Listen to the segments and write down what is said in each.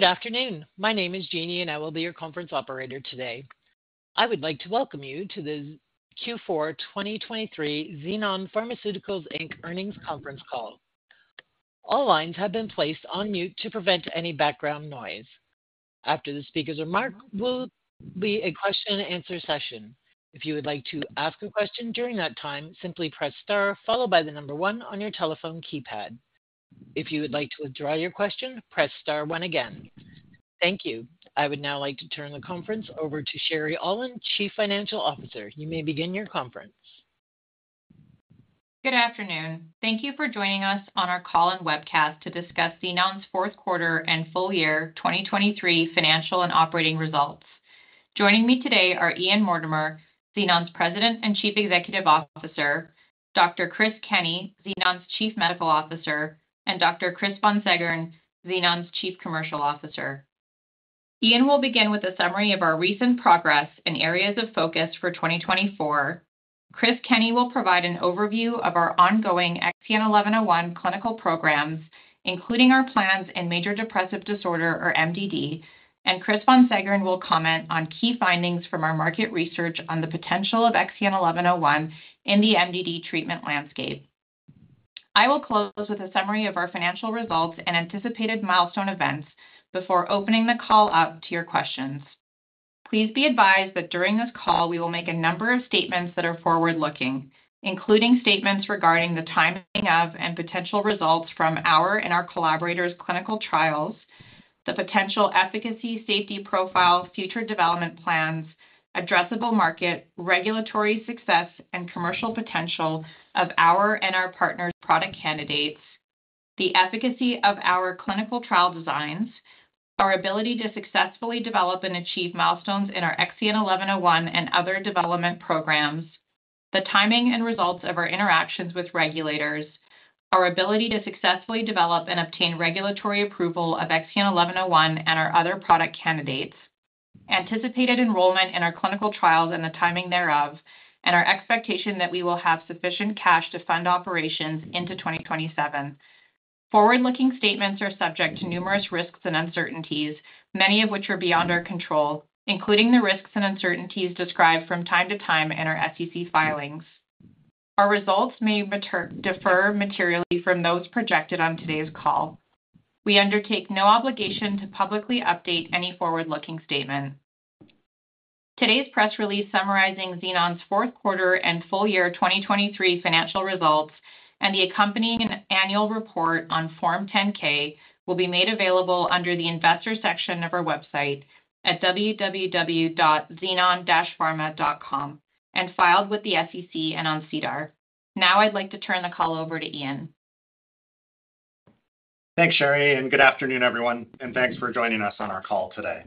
Good afternoon. My name is Jeannie, and I will be your conference operator today. I would like to welcome you to the Q4 2023 Xenon Pharmaceuticals Inc. Earnings Conference Call. All lines have been placed on mute to prevent any background noise. After the speaker's remarks, there will be a question and answer session. If you would like to ask a question during that time, simply press star followed by the number one on your telephone keypad. If you would like to withdraw your question, press star one again. Thank you. I would now like to turn the conference over to Sherry Aulin, Chief Financial Officer. You may begin your conference. Good afternoon. Thank you for joining us on our call and webcast to discuss Xenon's fourth quarter and full year 2023 financial and operating results. Joining me today are Ian Mortimer, Xenon's President and Chief Executive Officer, Dr. Chris Kenney, Xenon's Chief Medical Officer, and Dr. Chris Von Seggern, Xenon's Chief Commercial Officer. Ian will begin with a summary of our recent progress and areas of focus for 2024. Chris Kenney will provide an overview of our ongoing XEN1101 clinical programs, including our plans in major depressive disorder, or MDD, and Chris Von Seggern will comment on key findings from our market research on the potential of XEN1101 in the MDD treatment landscape. I will close with a summary of our financial results and anticipated milestone events before opening the call up to your questions. Please be advised that during this call, we will make a number of statements that are forward-looking, including statements regarding the timing of and potential results from our and our collaborators' clinical trials, the potential efficacy, safety profile, future development plans, addressable market, regulatory success and commercial potential of our and our partners' product candidates, the efficacy of our clinical trial designs, our ability to successfully develop and achieve milestones in our XEN1101 and other development programs, the timing and results of our interactions with regulators, our ability to successfully develop and obtain regulatory approval of XEN1101 and our other product candidates, anticipated enrollment in our clinical trials and the timing thereof, and our expectation that we will have sufficient cash to fund operations into 2027. Forward-looking statements are subject to numerous risks and uncertainties, many of which are beyond our control, including the risks and uncertainties described from time to time in our SEC filings. Our results may differ materially from those projected on today's call. We undertake no obligation to publicly update any forward-looking statement. Today's press release summarizing Xenon's fourth quarter and full year 2023 financial results and the accompanying annual report on Form 10-K will be made available under the Investors section of our website at www.xenon-pharma.com and filed with the SEC and on SEDAR. Now, I'd like to turn the call over to Ian. Thanks, Sherry, and good afternoon, everyone, and thanks for joining us on our call today.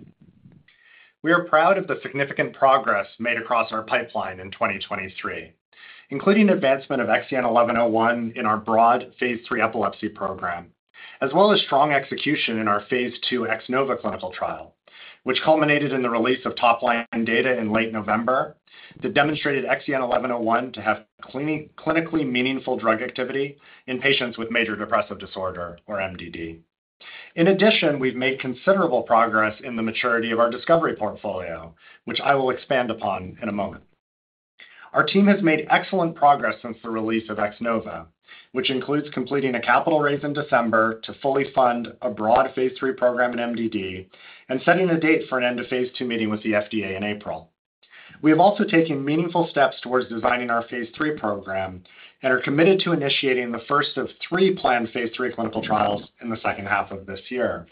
We are proud of the significant progress made across our pipeline in 2023, including the advancement of XEN1101 in our broad phase 3 epilepsy program, as well as strong execution in our phase 2 X-NOVA clinical trial, which culminated in the release of top-line data in late November that demonstrated XEN1101 to have clinically meaningful drug activity in patients with major depressive disorder or MDD. In addition, we've made considerable progress in the maturity of our discovery portfolio, which I will expand upon in a moment. Our team has made excellent progress since the release of X-NOVA, which includes completing a capital raise in December to fully fund a broad phase 3 program in MDD and setting a date for an end-of-phase 2 meeting with the FDA in April. We have also taken meaningful steps towards designing our phase 3 program and are committed to initiating the first of three planned phase 3 clinical trials in the second half of this year.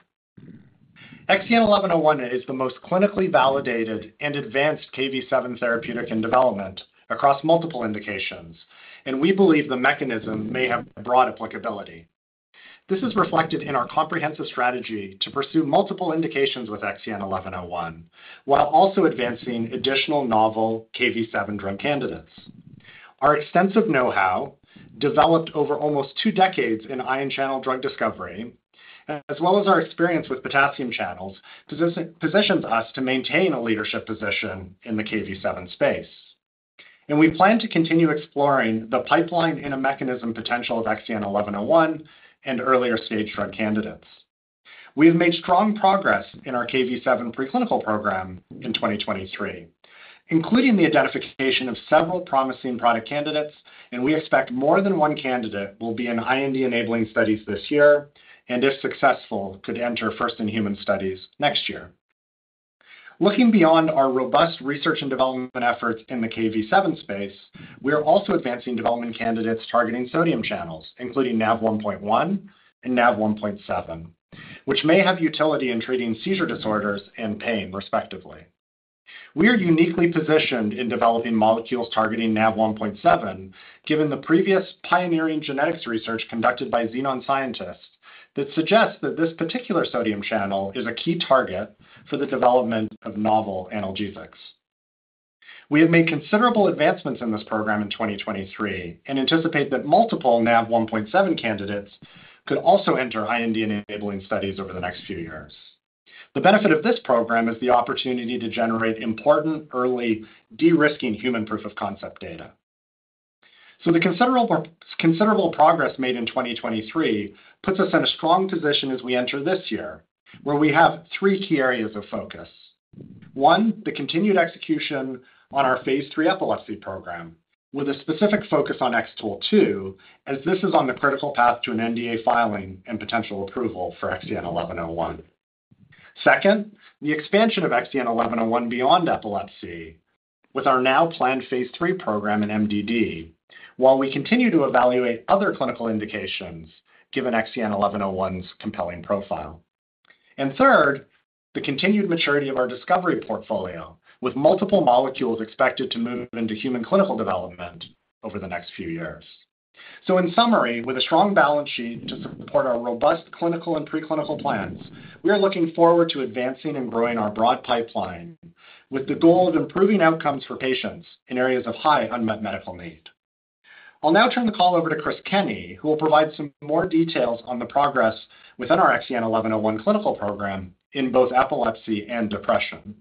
XEN1101 is the most clinically validated and advanced Kv7 therapeutic in development across multiple indications, and we believe the mechanism may have broad applicability. This is reflected in our comprehensive strategy to pursue multiple indications with XEN1101, while also advancing additional novel Kv7 drug candidates. Our extensive know-how, developed over almost two decades in ion channel drug discovery, as well as our experience with potassium channels, positions us to maintain a leadership position in the Kv7 space, and we plan to continue exploring the pipeline in a mechanism potential of XEN1101 and earlier-stage drug candidates. We have made strong progress in our Kv7 preclinical program in 2023, including the identification of several promising product candidates, and we expect more than one candidate will be in IND-enabling studies this year, and if successful, could enter first in human studies next year. Looking beyond our robust research and development efforts in the Kv7 space, we are also advancing development candidates targeting sodium channels, including Nav1.1 and Nav1.7, which may have utility in treating seizure disorders and pain, respectively. We are uniquely positioned in developing molecules targeting Nav1.7, given the previous pioneering genetics research conducted by Xenon scientists, that suggests that this particular sodium channel is a key target for the development of novel analgesics. We have made considerable advancements in this program in 2023 and anticipate that multiple Nav1.7 candidates could also enter IND-enabling studies over the next few years. The benefit of this program is the opportunity to generate important early de-risking human proof of concept data. So the considerable, considerable progress made in 2023 puts us in a strong position as we enter this year, where we have three key areas of focus. One, the continued execution on our phase 3 epilepsy program, with a specific focus on X-TOLE2, as this is on the critical path to an NDA filing and potential approval for XEN1101. Second, the expansion of XEN1101 beyond epilepsy, with our now planned phase 3 program in MDD, while we continue to evaluate other clinical indications, given XEN1101's compelling profile. And third, the continued maturity of our discovery portfolio, with multiple molecules expected to move into human clinical development over the next few years. So in summary, with a strong balance sheet to support our robust clinical and preclinical plans, we are looking forward to advancing and growing our broad pipeline, with the goal of improving outcomes for patients in areas of high unmet medical need. I'll now turn the call over to Chris Kenney, who will provide some more details on the progress within our XEN1101 clinical program in both epilepsy and depression.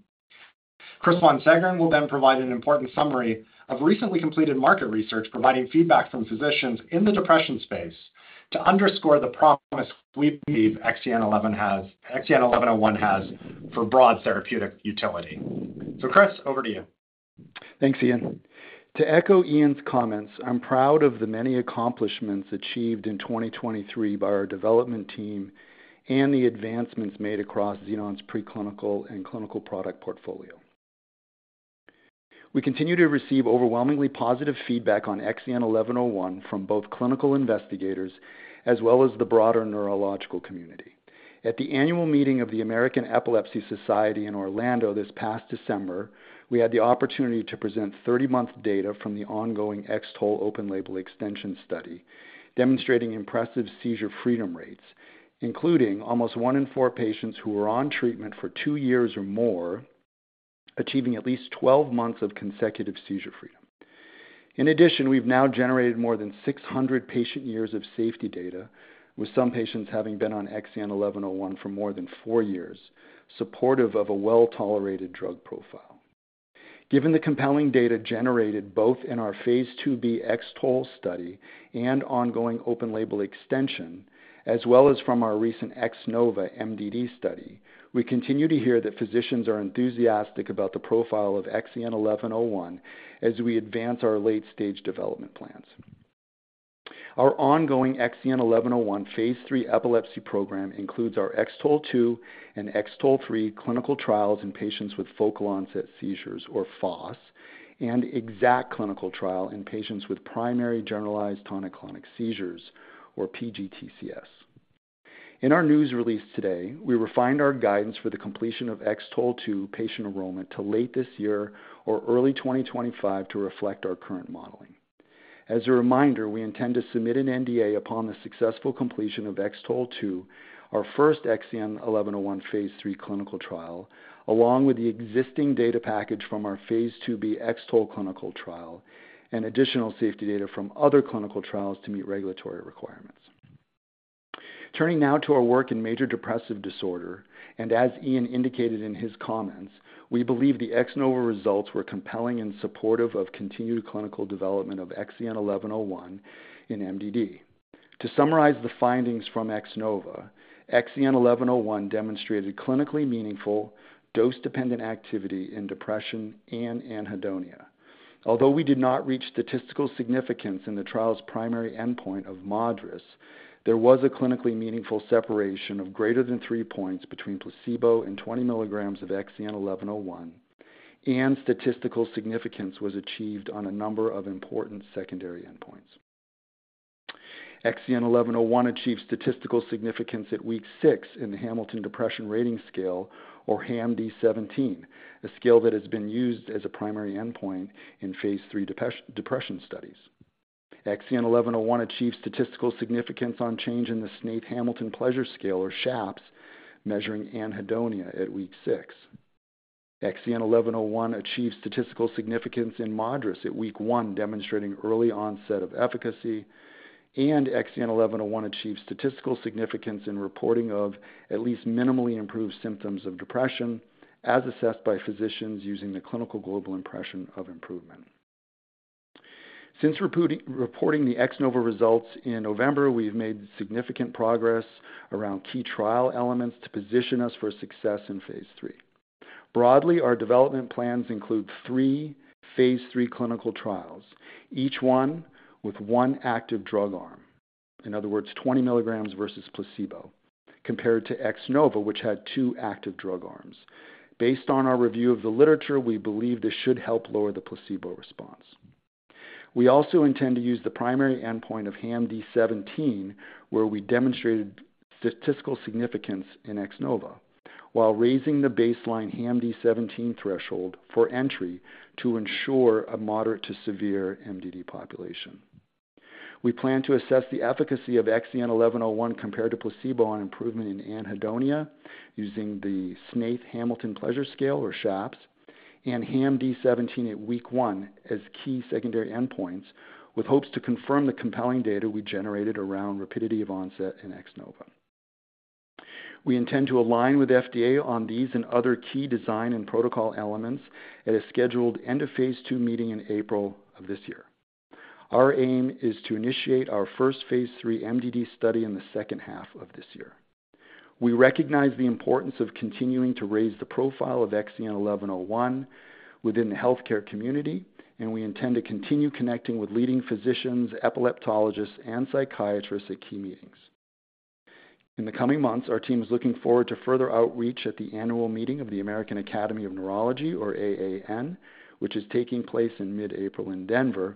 Chris Von Seggern will then provide an important summary of recently completed market research, providing feedback from physicians in the depression space to underscore the promise we believe XEN1101 has-- XEN1101 has for broad therapeutic utility. So Chris, over to you. Thanks, Ian. To echo Ian's comments, I'm proud of the many accomplishments achieved in 2023 by our development team and the advancements made across Xenon's preclinical and clinical product portfolio. We continue to receive overwhelmingly positive feedback on XEN1101 from both clinical investigators as well as the broader neurological community. At the annual meeting of the American Epilepsy Society in Orlando this past December, we had the opportunity to present 30-month data from the ongoing X-TOLE open-label extension study, demonstrating impressive seizure freedom rates, including almost 1 in 4 patients who were on treatment for 2 years or more, achieving at least 12 months of consecutive seizure freedom. In addition, we've now generated more than 600 patient years of safety data, with some patients having been on XEN1101 for more than 4 years, supportive of a well-tolerated drug profile. Given the compelling data generated both in our Phase 2b X-TOLE study and ongoing open-label extension, as well as from our recent X-NOVA MDD study, we continue to hear that physicians are enthusiastic about the profile of XEN1101 as we advance our late-stage development plans. Our ongoing XEN1101 Phase 3 epilepsy program includes our X-TOLE2 and X-TOLE3 clinical trials in patients with focal onset seizures or FOS, and X-ACKT clinical trial in patients with primary generalized tonic-clonic seizures, or PGTCS. In our news release today, we refined our guidance for the completion of X-TOLE2 patient enrollment to late this year or early 2025 to reflect our current modeling. As a reminder, we intend to submit an NDA upon the successful completion of X-TOLE2, our first XEN1101 Phase 3 clinical trial, along with the existing data package from our Phase 2b X-TOLE clinical trial and additional safety data from other clinical trials to meet regulatory requirements. Turning now to our work in major depressive disorder, and as Ian indicated in his comments, we believe the X-NOVA results were compelling and supportive of continued clinical development of XEN1101 in MDD. To summarize the findings from X-NOVA, XEN1101 demonstrated clinically meaningful dose-dependent activity in depression and anhedonia. Although we did not reach statistical significance in the trial's primary endpoint of MADRS, there was a clinically meaningful separation of greater than 3 points between placebo and 20 milligrams of XEN1101, and statistical significance was achieved on a number of important secondary endpoints. XEN1101 achieved statistical significance at week 6 in the Hamilton Depression Rating Scale, or HAM-D17, a scale that has been used as a primary endpoint in phase 3 depression studies. XEN1101 achieved statistical significance on change in the Snaith-Hamilton Pleasure Scale, or SHAPS, measuring anhedonia at week 6. XEN1101 achieved statistical significance in MADRS at week 1, demonstrating early onset of efficacy, and XEN1101 achieved statistical significance in reporting of at least minimally improved symptoms of depression, as assessed by physicians using the Clinical Global Impression of improvement. Since reporting the X-NOVA results in November, we've made significant progress around key trial elements to position us for success in phase 3. Broadly, our development plans include three phase 3 clinical trials, each one with one active drug arm. In other words, 20 milligrams versus placebo, compared to X-NOVA, which had two active drug arms. Based on our review of the literature, we believe this should help lower the placebo response. We also intend to use the primary endpoint of HAM-D17, where we demonstrated statistical significance in X-NOVA, while raising the baseline HAM-D17 threshold for entry to ensure a moderate to severe MDD population. We plan to assess the efficacy of XEN1101 compared to placebo on improvement in anhedonia, using the Snaith-Hamilton Pleasure Scale, or SHAPS, and HAM-D17 at week one as key secondary endpoints, with hopes to confirm the compelling data we generated around rapidity of onset in X-NOVA. We intend to align with FDA on these and other key design and protocol elements at a scheduled end-of-phase 2 meeting in April of this year. Our aim is to initiate our first phase 3 MDD study in the second half of this year. We recognize the importance of continuing to raise the profile of XEN1101 within the healthcare community, and we intend to continue connecting with leading physicians, epileptologists, and psychiatrists at key meetings. In the coming months, our team is looking forward to further outreach at the annual meeting of the American Academy of Neurology, or AAN, which is taking place in mid-April in Denver,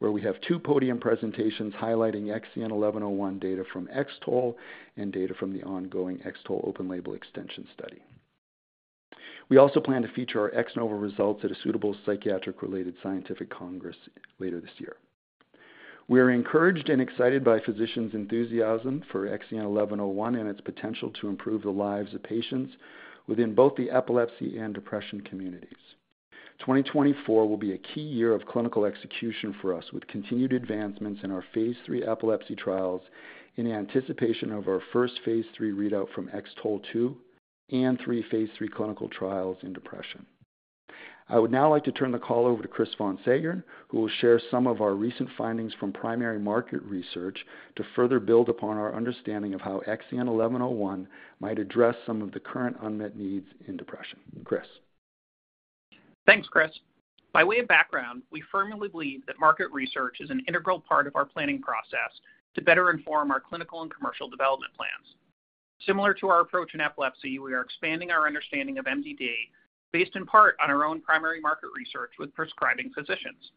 where we have two podium presentations highlighting XEN1101 data from X-TOLE and data from the ongoing X-TOLE open label extension study. We also plan to feature our X-NOVA results at a suitable psychiatric-related scientific congress later this year. We are encouraged and excited by physicians' enthusiasm for XEN1101 and its potential to improve the lives of patients within both the epilepsy and depression communities. 2024 will be a key year of clinical execution for us, with continued advancements in our phase 3 epilepsy trials in anticipation of our first phase 3 readout from X-TOLE2, and 3 phase 3 clinical trials in depression. I would now like to turn the call over to Chris Von Seggern, who will share some of our recent findings from primary market research to further build upon our understanding of how XEN1101 might address some of the current unmet needs in depression. Chris? Thanks, Chris. By way of background, we firmly believe that market research is an integral part of our planning process to better inform our clinical and commercial development plans. Similar to our approach in epilepsy, we are expanding our understanding of MDD based in part on our own primary market research with prescribing physicians.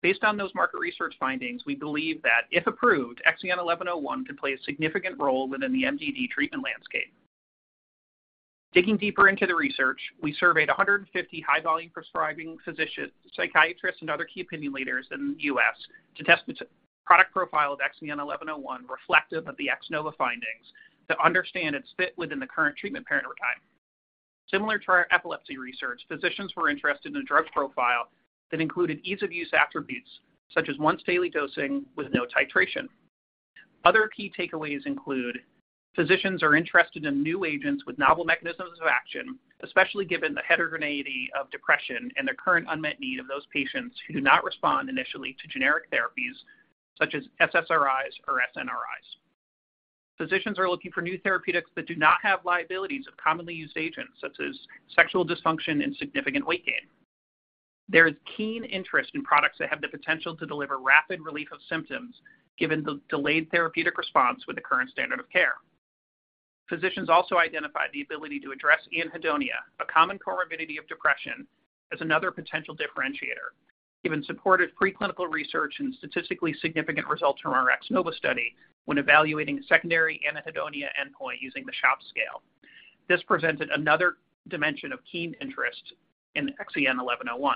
Based on those market research findings, we believe that, if approved, XEN1101 could play a significant role within the MDD treatment landscape. Digging deeper into the research, we surveyed 150 high-volume prescribing physicians, psychiatrists, and other key opinion leaders in the U.S. to test the product profile of XEN1101, reflective of the X-NOVA findings, to understand its fit within the current treatment paradigm. Similar to our epilepsy research, physicians were interested in a drug profile that included ease-of-use attributes, such as once-daily dosing with no titration. Other key takeaways include: physicians are interested in new agents with novel mechanisms of action, especially given the heterogeneity of depression and the current unmet need of those patients who do not respond initially to generic therapies such as SSRIs or SNRIs. Physicians are looking for new therapeutics that do not have liabilities of commonly used agents, such as sexual dysfunction and significant weight gain. There is keen interest in products that have the potential to deliver rapid relief of symptoms, given the delayed therapeutic response with the current standard of care. Physicians also identified the ability to address anhedonia, a common comorbidity of depression, as another potential differentiator, given supportive preclinical research and statistically significant results from our X-NOVA study when evaluating a secondary anhedonia endpoint using the SHAPS scale. This presented another dimension of keen interest in XEN1101.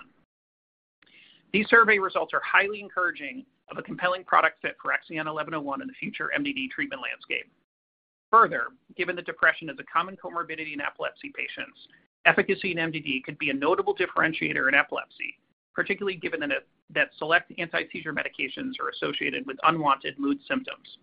These survey results are highly encouraging of a compelling product fit for XEN1101 in the future MDD treatment landscape. Further, given that depression is a common comorbidity in epilepsy patients, efficacy in MDD could be a notable differentiator in epilepsy, particularly given that that select anti-seizure medications are associated with unwanted mood symptoms.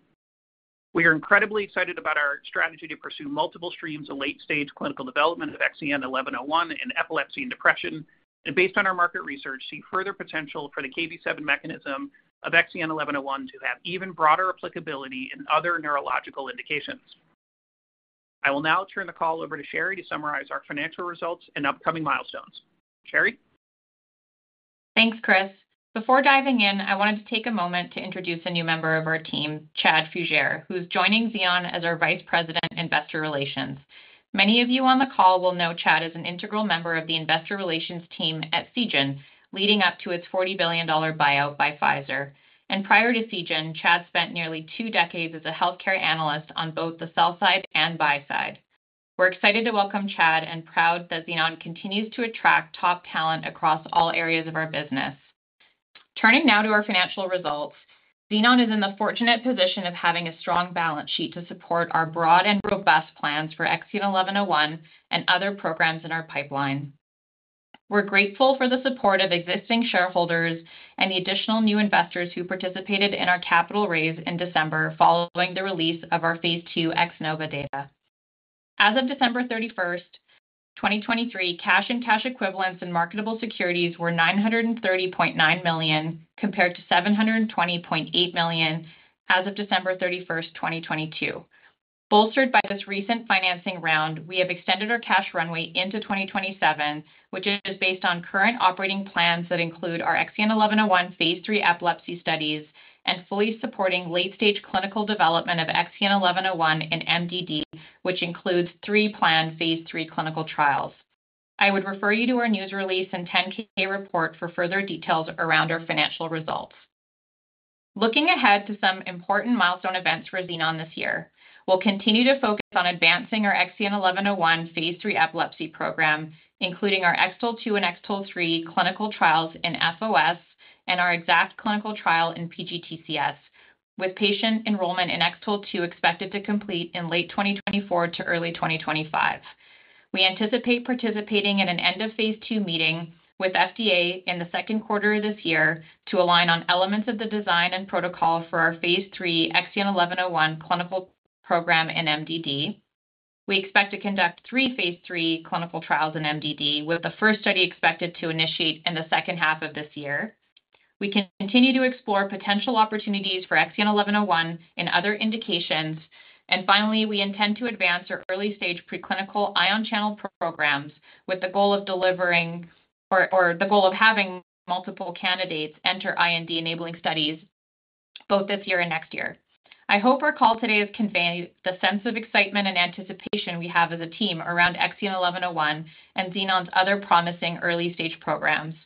We are incredibly excited about our strategy to pursue multiple streams of late-stage clinical development of XEN1101 in epilepsy and depression, and based on our market research, see further potential for the Kv7 mechanism of XEN1101 to have even broader applicability in other neurological indications. I will now turn the call over to Sherry to summarize our financial results and upcoming milestones. Sherry? Thanks, Chris. Before diving in, I wanted to take a moment to introduce a new member of our team, Chad Fugere, who's joining Xenon as our Vice President, Investor Relations. Many of you on the call will know Chad as an integral member of the investor relations team at Seagen, leading up to its $40 billion buyout by Pfizer. Prior to Seagen, Chad spent nearly two decades as a healthcare analyst on both the sell side and buy side. We're excited to welcome Chad and proud that Xenon continues to attract top talent across all areas of our business. Turning now to our financial results, Xenon is in the fortunate position of having a strong balance sheet to support our broad and robust plans for XEN1101 and other programs in our pipeline. We're grateful for the support of existing shareholders and the additional new investors who participated in our capital raise in December following the release of our phase 2 X-NOVA data. As of December 31, 2023, cash and cash equivalents and marketable securities were $930.9 million, compared to $720.8 million as of December 31, 2022. Bolstered by this recent financing round, we have extended our cash runway into 2027, which is based on current operating plans that include our XEN1101 phase 3 epilepsy studies and fully supporting late stage clinical development of XEN1101 in MDD, which includes three planned phase 3 clinical trials. I would refer you to our news release and 10-K report for further details around our financial results. Looking ahead to some important milestone events for Xenon this year, we'll continue to focus on advancing our XEN1101 phase 3 epilepsy program, including our X-TOLE2 and X-TOLE3 clinical trials in FOS and our EXACT clinical trial in PGTCS, with patient enrollment in X-TOLE2 expected to complete in late 2024 to early 2025. We anticipate participating in an end of phase 2 meeting with the FDA in the second quarter of this year to align on elements of the design and protocol for our phase 3 XEN1101 clinical program in MDD. We expect to conduct three phase 3 clinical trials in MDD, with the first study expected to initiate in the second half of this year. We continue to explore potential opportunities for XEN1101 in other indications. And finally, we intend to advance our early-stage preclinical ion channel programs with the goal of delivering, or the goal of having multiple candidates enter IND-enabling studies both this year and next year. I hope our call today has conveyed the sense of excitement and anticipation we have as a team around XEN1101 and Xenon's other promising early-stage programs.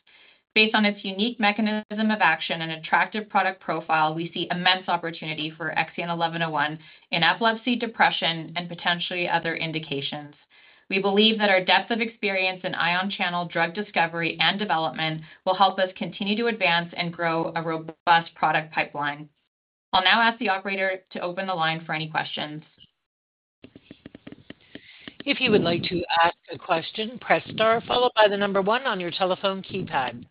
Based on its unique mechanism of action and attractive product profile, we see immense opportunity for XEN1101 in epilepsy, depression, and potentially other indications. We believe that our depth of experience in ion channel drug discovery and development will help us continue to advance and grow a robust product pipeline. I'll now ask the operator to open the line for any questions. If you would like to ask a question, press star followed by the number one on your telephone keypad.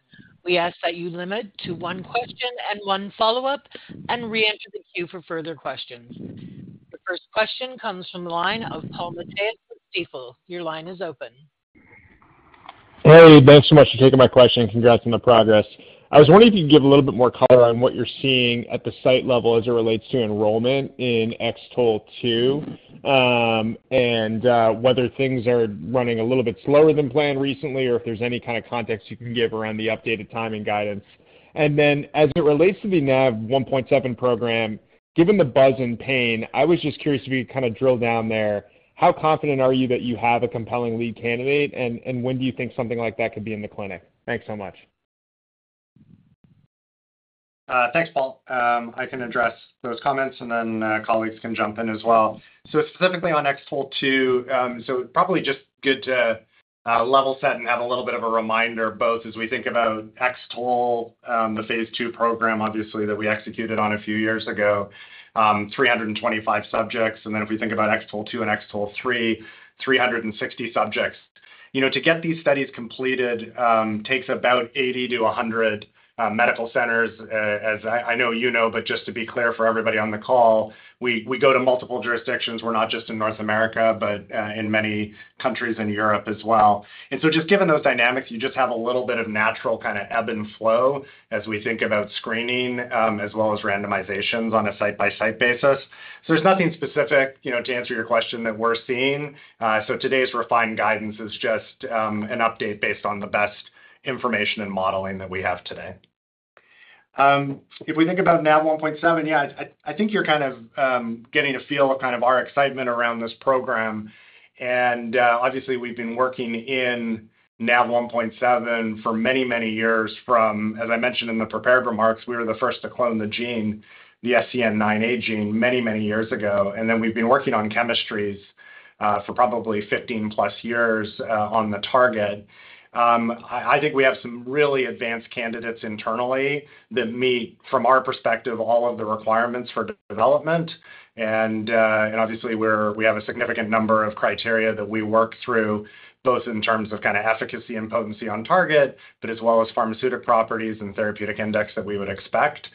We ask that you limit to one question and one follow-up, and reenter the queue for further questions. The first question comes from the line of Paul Matteis with Stifel. Your line is open. Hey, thanks so much for taking my question, and congrats on the progress. I was wondering if you could give a little bit more color on what you're seeing at the site level as it relates to enrollment in X-TOLE2, and whether things are running a little bit slower than planned recently, or if there's any kind of context you can give around the updated timing guidance. And then, as it relates to the Nav1.7 program, given the buzz and pain, I was just curious if you kind of drill down there. How confident are you that you have a compelling lead candidate? And when do you think something like that could be in the clinic? Thanks so much. Thanks, Paul. I can address those comments and then, colleagues can jump in as well. So specifically on X-TOLE2, so probably just good to level set and have a little bit of a reminder, both as we think about X-TOLE, the phase 2 program, obviously, that we executed on a few years ago, 325 subjects, and then if we think about X-TOLE2 and X-TOLE3, 360 subjects. You know, to get these studies completed, takes about 80-100 medical centers, as I know you know, but just to be clear for everybody on the call, we go to multiple jurisdictions. We're not just in North America, but in many countries in Europe as well. And so just given those dynamics, you just have a little bit of natural kinda ebb and flow as we think about screening, as well as randomizations on a site-by-site basis. So there's nothing specific, you know, to answer your question, that we're seeing. So today's refined guidance is just an update based on the best information and modeling that we have today. If we think about Nav1.7, yeah, I, I think you're kind of getting a feel of kind of our excitement around this program. And obviously, we've been working in Nav1.7 for many, many years from. As I mentioned in the prepared remarks, we were the first to clone the gene, the SCN9A gene, many, many years ago, and then we've been working on chemistries for probably 15+ years on the target. I think we have some really advanced candidates internally that meet, from our perspective, all of the requirements for development. And obviously we have a significant number of criteria that we work through, both in terms of kinda efficacy and potency on target, but as well as pharmaceutical properties and therapeutic index that we would expect.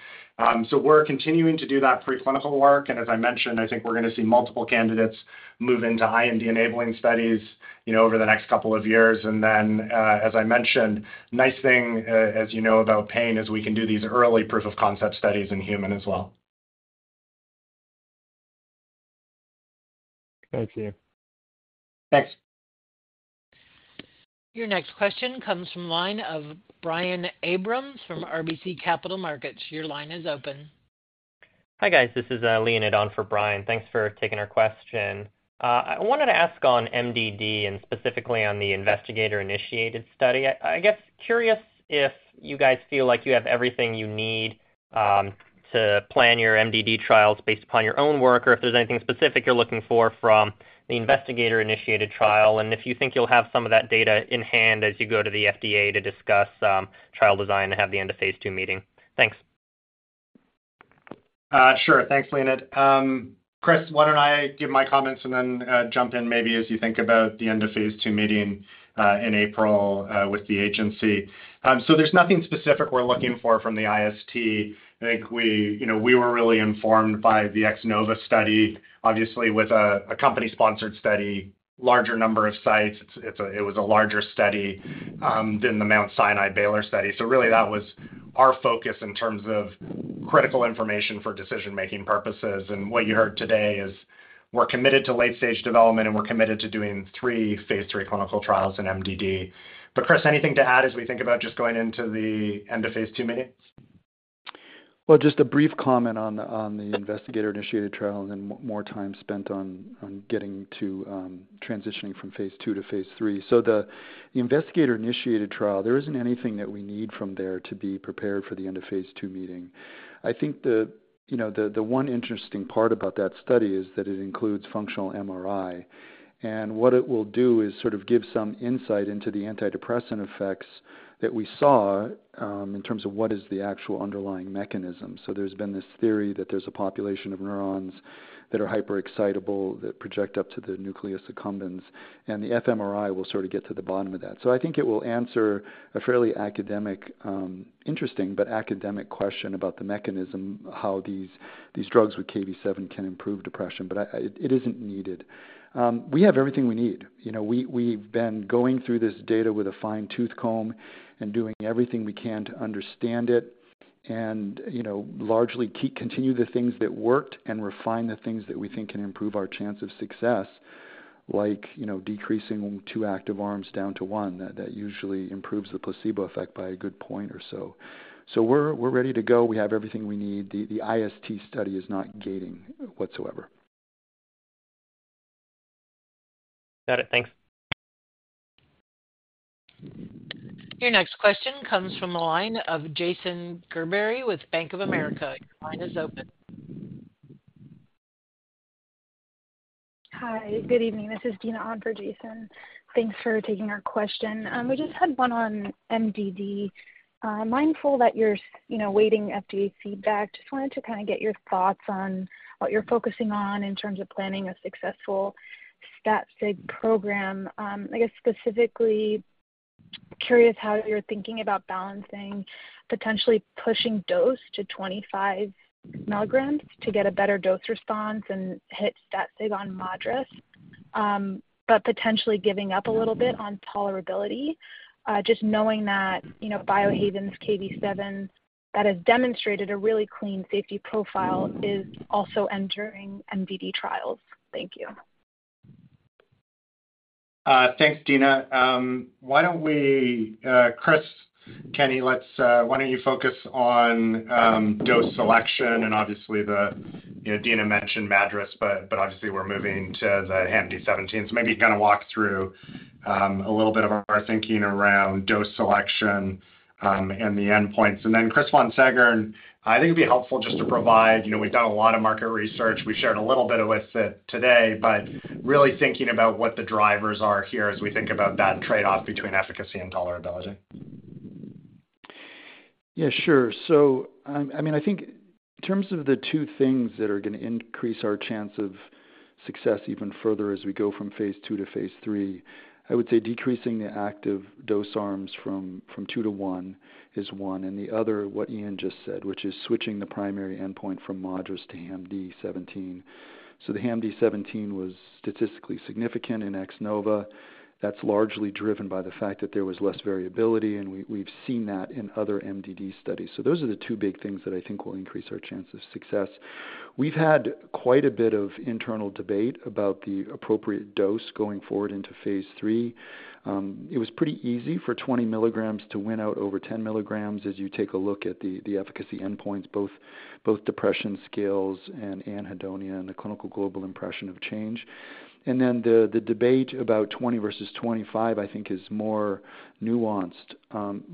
So we're continuing to do that preclinical work, and as I mentioned, I think we're gonna see multiple candidates move into IND-enabling studies, you know, over the next couple of years. And then, as I mentioned, nice thing as you know about pain, is we can do these early proof of concept studies in human as well. Thank you. Thanks. Your next question comes from the line of Brian Abrams from RBC Capital Markets. Your line is open. Hi, guys. This is, Leonid on for Brian. Thanks for taking our question. I wanted to ask on MDD and specifically on the investigator-initiated study. I guess, curious if you guys feel like you have everything you need, to plan your MDD trials based upon your own work, or if there's anything specific you're looking for from the investigator-initiated trial, and if you think you'll have some of that data in hand as you go to the FDA to discuss, trial design and have the end of phase II meeting. Thanks. Sure. Thanks, Leonid. Chris, why don't I give my comments and then, jump in maybe as you think about the end of phase II meeting, in April, with the agency? So there's nothing specific we're looking for from the IST. I think we, you know, we were really informed by the X-NOVA study. Obviously, with a company-sponsored study, larger number of sites, it's a larger study than the Mount Sinai Baylor study. So really, that was our focus in terms of critical information for decision-making purposes. And what you heard today is we're committed to late-stage development, and we're committed to doing three phase III clinical trials in MDD. But Chris, anything to add as we think about just going into the end of phase II meetings? Well, just a brief comment on the investigator-initiated trial and then more time spent on getting to transitioning from phase II to phase III. So the investigator-initiated trial, there isn't anything that we need from there to be prepared for the end of phase II meeting. I think the, you know, the one interesting part about that study is that it includes functional MRI. And what it will do is sort of give some insight into the antidepressant effects that we saw in terms of what is the actual underlying mechanism. So there's been this theory that there's a population of neurons that are hyperexcitable that project up to the nucleus accumbens, and the fMRI will sort of get to the bottom of that. So I think it will answer a fairly academic, interesting but academic question about the mechanism, how these, these drugs with Kv7 can improve depression, but I, it, it isn't needed. We have everything we need. You know, we, we've been going through this data with a fine-tooth comb and doing everything we can to understand it and, you know, largely continue the things that worked and refine the things that we think can improve our chance of success, like, you know, decreasing two active arms down to one. That, that usually improves the placebo effect by a good point or so. So we're, we're ready to go. We have everything we need. The, the IST study is not gating whatsoever. Got it. Thanks. Your next question comes from the line of Jason Gerberry with Bank of America. Your line is open. Hi, good evening. This is Dina on for Jason. Thanks for taking our question. We just had one on MDD. Mindful that you're, you know, waiting FDA feedback, just wanted to kinda get your thoughts on what you're focusing on in terms of planning a successful stat sig program. I guess, specifically curious how you're thinking about balancing, potentially pushing dose to 25 milligrams to get a better dose response and hit stat sig on MADRS, but potentially giving up a little bit on tolerability, just knowing that, you know, Biohaven's KV7, that has demonstrated a really clean safety profile, is also entering MDD trials. Thank you. Thanks, Dina. Why don't we, Chris Kenney, let's why don't you focus on dose selection and obviously the, you know, Dina mentioned MADRS, but obviously we're moving to the HAM-D17. So maybe kind of walk through a little bit of our thinking around dose selection and the endpoints. And then, Chris Von Seggern, I think it'd be helpful just to provide, you know, we've done a lot of market research. We shared a little bit of with it today, but really thinking about what the drivers are here as we think about that trade-off between efficacy and tolerability. Yeah, sure. So, I mean, I think in terms of the two things that are going to increase our chance of success even further as we go from phase 2 to phase 3, I would say decreasing the active dose arms from, from 2 to 1 is one, and the other, what Ian just said, which is switching the primary endpoint from MADRS to HAM-D17. So the HAM-D17 was statistically significant in X-NOVA. That's largely driven by the fact that there was less variability, and we, we've seen that in other MDD studies. So those are the two big things that I think will increase our chance of success. We've had quite a bit of internal debate about the appropriate dose going forward into phase 3. It was pretty easy for 20 milligrams to win out over 10 milligrams as you take a look at the efficacy endpoints, both depression scales and anhedonia and the clinical global impression of change. And then the debate about 20 versus 25, I think, is more nuanced.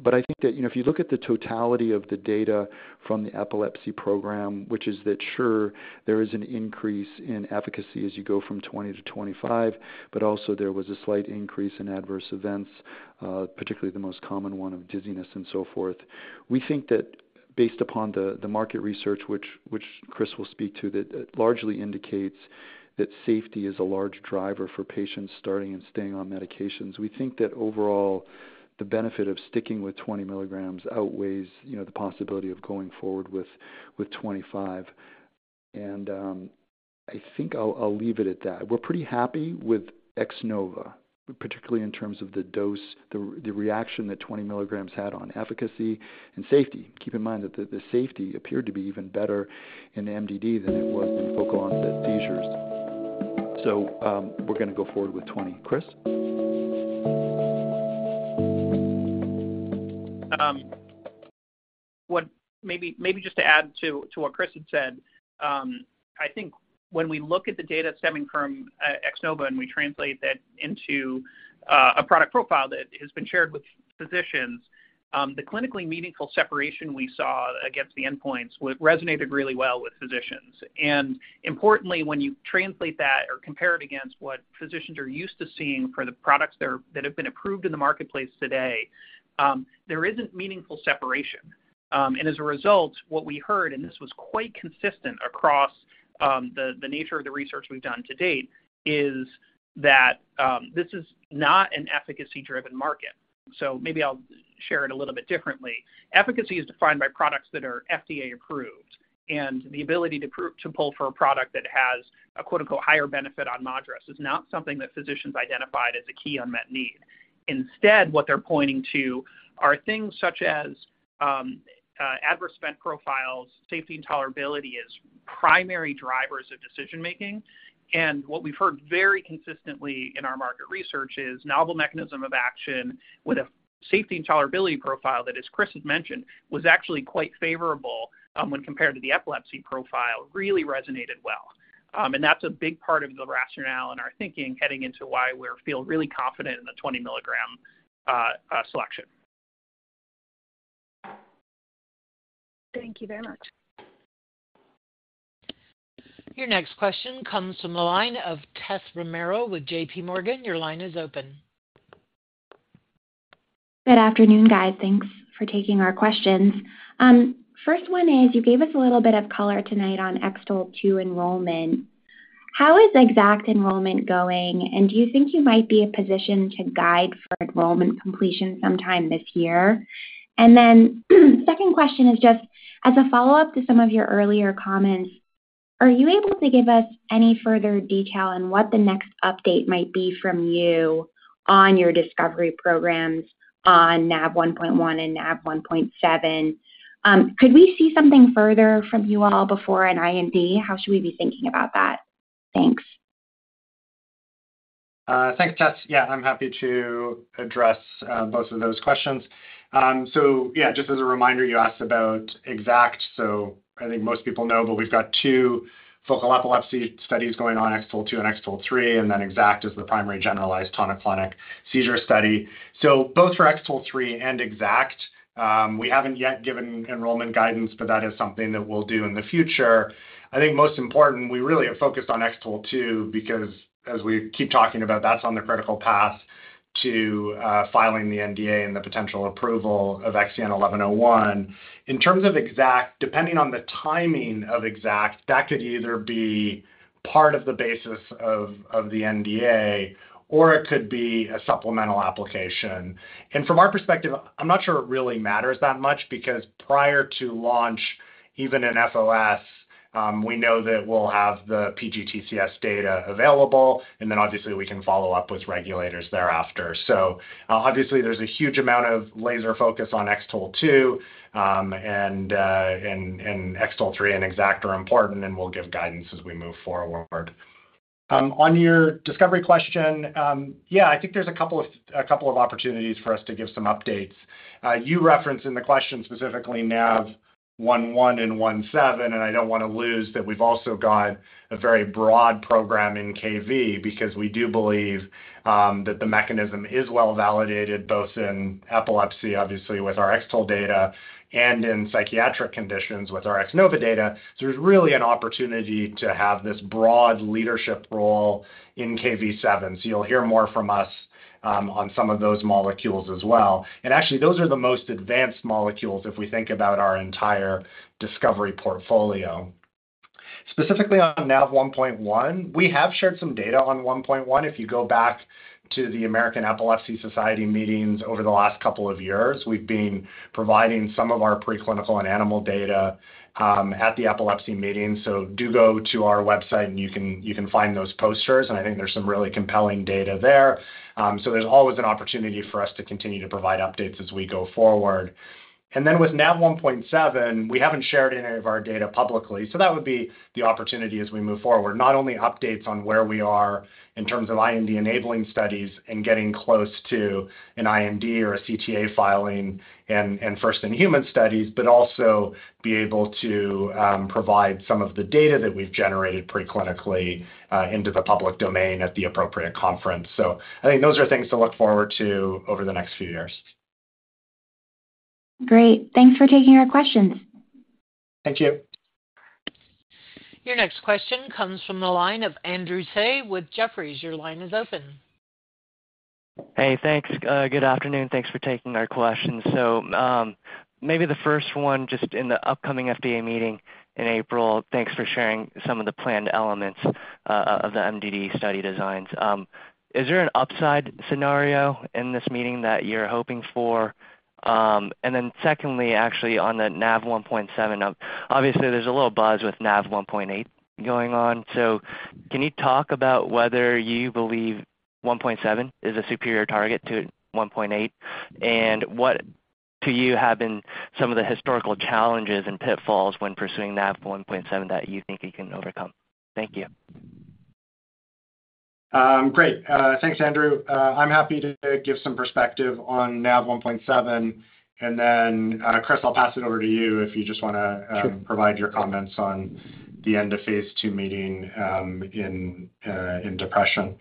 But I think that, you know, if you look at the totality of the data from the epilepsy program, which is that sure, there is an increase in efficacy as you go from 20 to 25, but also there was a slight increase in adverse events, particularly the most common one of dizziness and so forth. We think that based upon the market research, which Chris will speak to, that it largely indicates that safety is a large driver for patients starting and staying on medications. We think that overall, the benefit of sticking with 20 milligrams outweighs, you know, the possibility of going forward with 25. And I think I'll leave it at that. We're pretty happy with X-NOVA, particularly in terms of the dose, the reaction that 20 milligrams had on efficacy and safety. Keep in mind that the safety appeared to be even better in MDD than it was in focal onset seizures. So we're going to go forward with 20. Chris? Maybe just to add to what Chris had said, I think when we look at the data stemming from X-NOVA and we translate that into a product profile that has been shared with physicians, the clinically meaningful separation we saw against the endpoints resonated really well with physicians. And importantly, when you translate that or compare it against what physicians are used to seeing for the products that have been approved in the marketplace today, there isn't meaningful separation. And as a result, what we heard, and this was quite consistent across the nature of the research we've done to date, is that this is not an efficacy-driven market. So maybe I'll share it a little bit differently. Efficacy is defined by products that are FDA approved, and the ability to pull for a product that has a, quote, unquote, "higher benefit on MADRS" is not something that physicians identified as a key unmet need. Instead, what they're pointing to are things such as, adverse event profiles, safety, and tolerability as primary drivers of decision making. And what we've heard very consistently in our market research is novel mechanism of action with a safety and tolerability profile that, as Chris has mentioned, was actually quite favorable, when compared to the epilepsy profile, really resonated well. And that's a big part of the rationale and our thinking heading into why we feel really confident in the 20-milligram selection. Thank you very much. Your next question comes from the line of Tess Romero with JP Morgan. Your line is open. ... Good afternoon, guys. Thanks for taking our questions. First one is, you gave us a little bit of color tonight on X-TOLE2 enrollment. How is EXACT enrollment going, and do you think you might be in position to guide for enrollment completion sometime this year? Second question is just as a follow-up to some of your earlier comments, are you able to give us any further detail on what the next update might be from you on your discovery programs on Nav1.1 and Nav1.7? Could we see something further from you all before an IND? How should we be thinking about that? Thanks. Thanks, Jess. Yeah, I'm happy to address both of those questions. So yeah, just as a reminder, you asked about EXACT. So I think most people know, but we've got two focal epilepsy studies going on, X-TOLE2 and X-TOLE3, and then EXACT is the primary generalized tonic-clonic seizure study. So both for X-TOLE3 and EXACT, we haven't yet given enrollment guidance, but that is something that we'll do in the future. I think most important, we really have focused on X-TOLE2 because as we keep talking about, that's on the critical path to filing the NDA and the potential approval of XEN1101. In terms of EXACT, depending on the timing of EXACT, that could either be part of the basis of the NDA, or it could be a supplemental application. From our perspective, I'm not sure it really matters that much because prior to launch, even in SOS, we know that we'll have the PGTCS data available, and then obviously we can follow up with regulators thereafter. So, obviously, there's a huge amount of laser focus on X-TOLE 2, and X-TOLE 3 and EXACT are important, and we'll give guidance as we move forward. On your discovery question, yeah, I think there's a couple of opportunities for us to give some updates. You referenced in the question specifically Nav1.1 and Nav1.7, and I don't wanna lose that we've also got a very broad program in Kv7 because we do believe that the mechanism is well-validated, both in epilepsy, obviously with our X-TOLE data and in psychiatric conditions with our X-NOVA data. So there's really an opportunity to have this broad leadership role in Kv7. So you'll hear more from us on some of those molecules as well. And actually, those are the most advanced molecules if we think about our entire discovery portfolio. Specifically on Nav1.1, we have shared some data on Nav1.1. If you go back to the American Epilepsy Society meetings over the last couple of years, we've been providing some of our preclinical and animal data at the epilepsy meeting. So do go to our website, and you can, you can find those posters, and I think there's some really compelling data there. So there's always an opportunity for us to continue to provide updates as we go forward. And then with Nav1.7, we haven't shared any of our data publicly, so that would be the opportunity as we move forward. Not only updates on where we are in terms of IND-enabling studies and getting close to an IND or a CTA filing and first in human studies, but also be able to provide some of the data that we've generated preclinically into the public domain at the appropriate conference. So I think those are things to look forward to over the next few years. Great. Thanks for taking our questions. Thank you. Your next question comes from the line of Andrew Tsai with Jefferies. Your line is open. Hey, thanks. Good afternoon. Thanks for taking our questions. So, maybe the first one just in the upcoming FDA meeting in April, thanks for sharing some of the planned elements of the MDD study designs. Is there an upside scenario in this meeting that you're hoping for? And then secondly, actually on the Nav1.7, obviously there's a little buzz with Nav1.8 going on. So can you talk about whether you believe 1.7 is a superior target to 1.8? And what, to you, have been some of the historical challenges and pitfalls when pursuing Nav1.7 that you think you can overcome? Thank you. Great. Thanks, Andrew. I'm happy to give some perspective on Nav1.7, and then, Chris, I'll pass it over to you if you just wanna- Sure. Provide your comments on the end-of-phase 2 meeting in depression.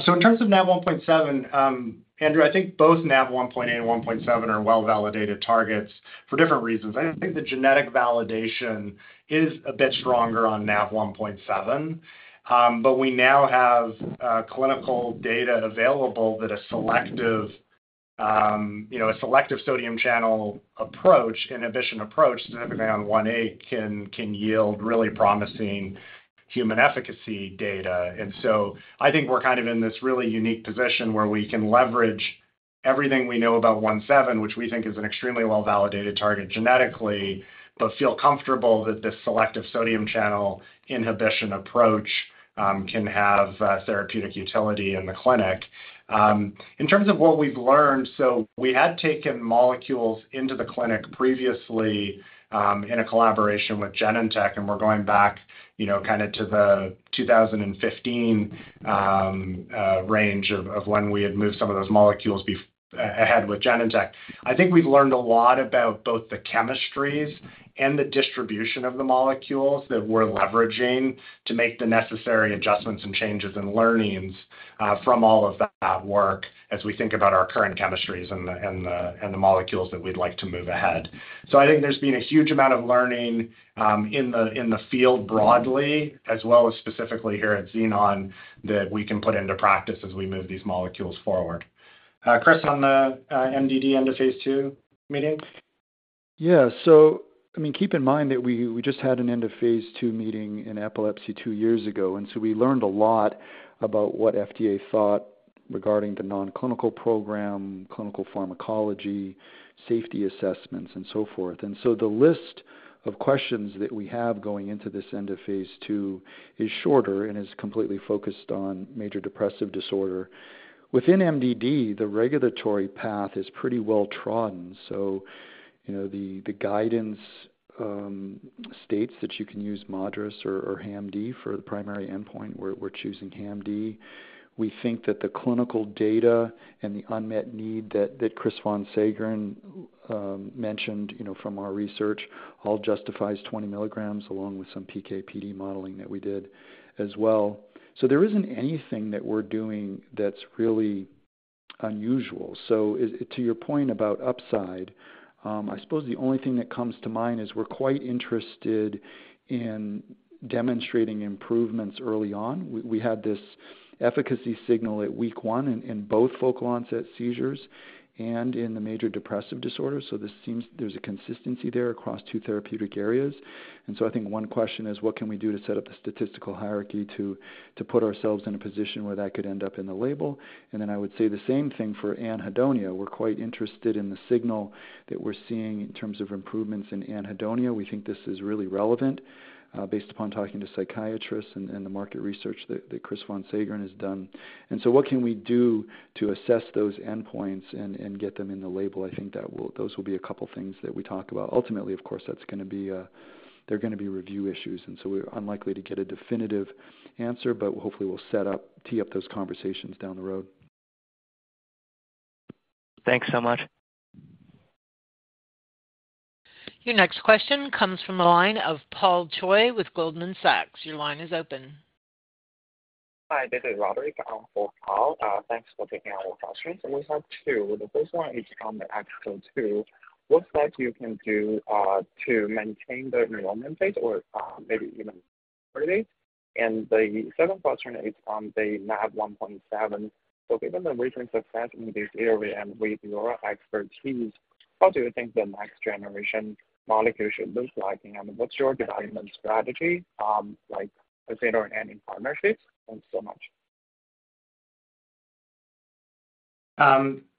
So in terms of Nav1.7, Andrew, I think both Nav1.8 and 1.7 are well-validated targets for different reasons. I think the genetic validation is a bit stronger on Nav1.7. But we now have clinical data available that a selective, you know, a selective sodium channel approach, inhibition approach to 1.8 can yield really promising human efficacy data. And so I think we're kind of in this really unique position where we can leverage everything we know about 1.7, which we think is an extremely well-validated target genetically, but feel comfortable that this selective sodium channel inhibition approach can have therapeutic utility in the clinic. In terms of what we've learned, so we had taken molecules into the clinic previously, in a collaboration with Genentech, and we're going back, you know, kind of to the 2015 range of when we had moved some of those molecules ahead with Genentech. I think we've learned a lot about both the chemistries and the distribution of the molecules that we're leveraging to make the necessary adjustments and changes and learnings from all of that work as we think about our current chemistries and the molecules that we'd like to move ahead. So I think there's been a huge amount of learning in the field broadly, as well as specifically here at Xenon, that we can put into practice as we move these molecules forward. Chris, on the MDD end of phase 2 meeting?... Yeah. So, I mean, keep in mind that we just had an end of phase 2 meeting in epilepsy two years ago, and so we learned a lot about what FDA thought regarding the non-clinical program, clinical pharmacology, safety assessments, and so forth. So the list of questions that we have going into this end of phase 2 is shorter and is completely focused on major depressive disorder. Within MDD, the regulatory path is pretty well trodden, so you know, the guidance states that you can use MADRS or HAM-D for the primary endpoint. We're choosing HAM-D. We think that the clinical data and the unmet need that Chris Von Seggern mentioned, you know, from our research, all justifies 20 milligrams along with some PK/PD modeling that we did as well. So there isn't anything that we're doing that's really unusual. So to your point about upside, I suppose the only thing that comes to mind is we're quite interested in demonstrating improvements early on. We had this efficacy signal at week one in both focal onset seizures and in the major depressive disorder, so this seems there's a consistency there across two therapeutic areas. And so I think one question is: What can we do to set up the statistical hierarchy to put ourselves in a position where that could end up in the label? And then I would say the same thing for anhedonia. We're quite interested in the signal that we're seeing in terms of improvements in anhedonia. We think this is really relevant, based upon talking to psychiatrists and the market research that Chris Von Seggern has done. And so what can we do to assess those endpoints and get them in the label? I think that will, those will be a couple things that we talk about. Ultimately, of course, that's gonna be, they're gonna be review issues, and so we're unlikely to get a definitive answer, but hopefully we'll set up, tee up those conversations down the road. Thanks so much. Your next question comes from the line of Paul Choi with Goldman Sachs. Your line is open. Hi, this is Roderick on for Paul. Thanks for taking our questions. And we have two. The first one is on the X-TOLE2. What steps you can do to maintain the enrollment phase or maybe even early? And the second question is on the Nav1.7. So given the recent success in this area and with your expertise, how do you think the next generation molecule should look like? And what's your development strategy, like, let's say, doing any partnerships? Thanks so much.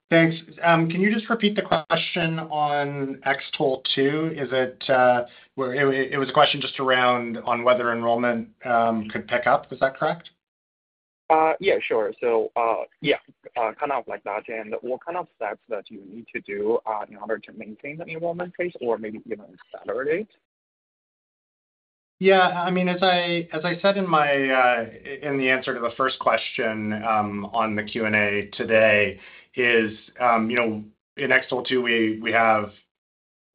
Thanks. Can you just repeat the question on X-TOLE2? Is it... It was a question just around on whether enrollment could pick up. Is that correct? Yeah, sure. So, yeah, kind of like that. And what kind of steps that you need to do, in order to maintain the enrollment phase or maybe even accelerate? Yeah, I mean, as I said in the answer to the first question on the Q&A today is, you know, in X-TOLE2, we have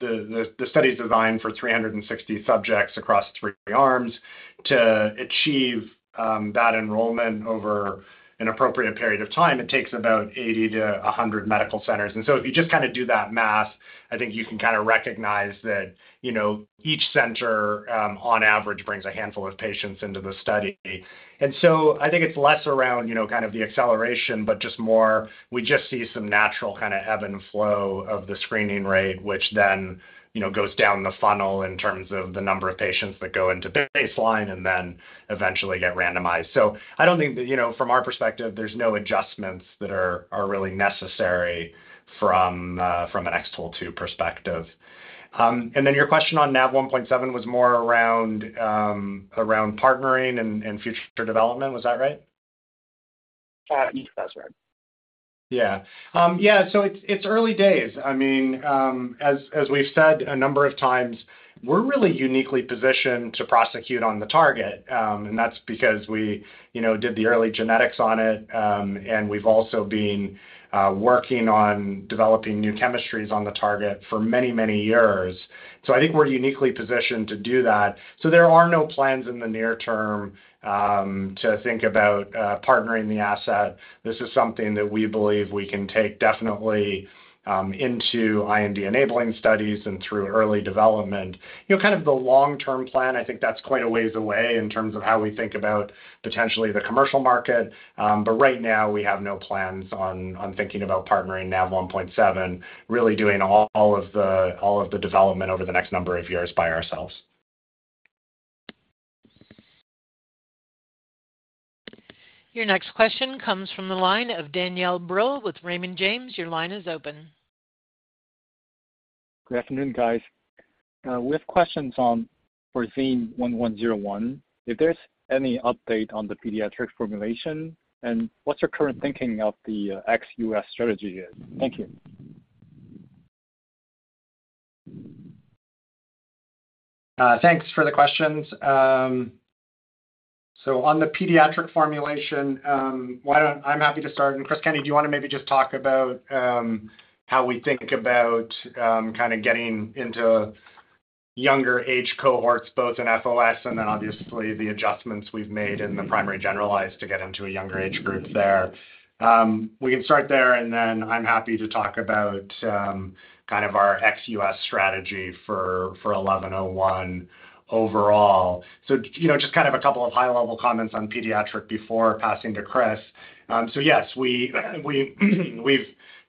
the study is designed for 360 subjects across three arms. To achieve that enrollment over an appropriate period of time, it takes about 80-100 medical centers. And so if you just kind of do that math, I think you can kind of recognize that, you know, each center on average brings a handful of patients into the study. And so I think it's less around, you know, kind of the acceleration, but just more, we just see some natural kind of ebb and flow of the screening rate, which then, you know, goes down the funnel in terms of the number of patients that go into baseline and then eventually get randomized. So I don't think that, you know, from our perspective, there's no adjustments that are, are really necessary from an X-TOLE2 perspective. And then your question on Nav1.7 was more around around partnering and, and future development. Was that right? Yes, that's right. Yeah. Yeah, so it's early days. I mean, as we've said a number of times, we're really uniquely positioned to prosecute on the target, and that's because we, you know, did the early genetics on it, and we've also been working on developing new chemistries on the target for many, many years. So I think we're uniquely positioned to do that. So there are no plans in the near term to think about partnering the asset. This is something that we believe we can take definitely into IND-enabling studies and through early development. You know, kind of the long-term plan, I think that's quite a ways away in terms of how we think about potentially the commercial market. But right now, we have no plans on thinking about partnering Nav1.7, really doing all of the development over the next number of years by ourselves. Your next question comes from the line of Danielle Brill with Raymond James. Your line is open. Good afternoon, guys. We have questions on for XEN1101. If there's any update on the pediatric formulation, and what's your current thinking of the, ex-US strategy is? Thank you. Thanks for the questions. So on the pediatric formulation, I'm happy to start. And Chris Kenney, do you want to maybe just talk about how we think about kind of younger age cohorts, both in FOS and then obviously the adjustments we've made in the primary generalized to get into a younger age group there. We can start there, and then I'm happy to talk about kind of our ex-US strategy for XEN1101 overall. So, you know, just kind of a couple of high-level comments on pediatric before passing to Chris. So yes, we've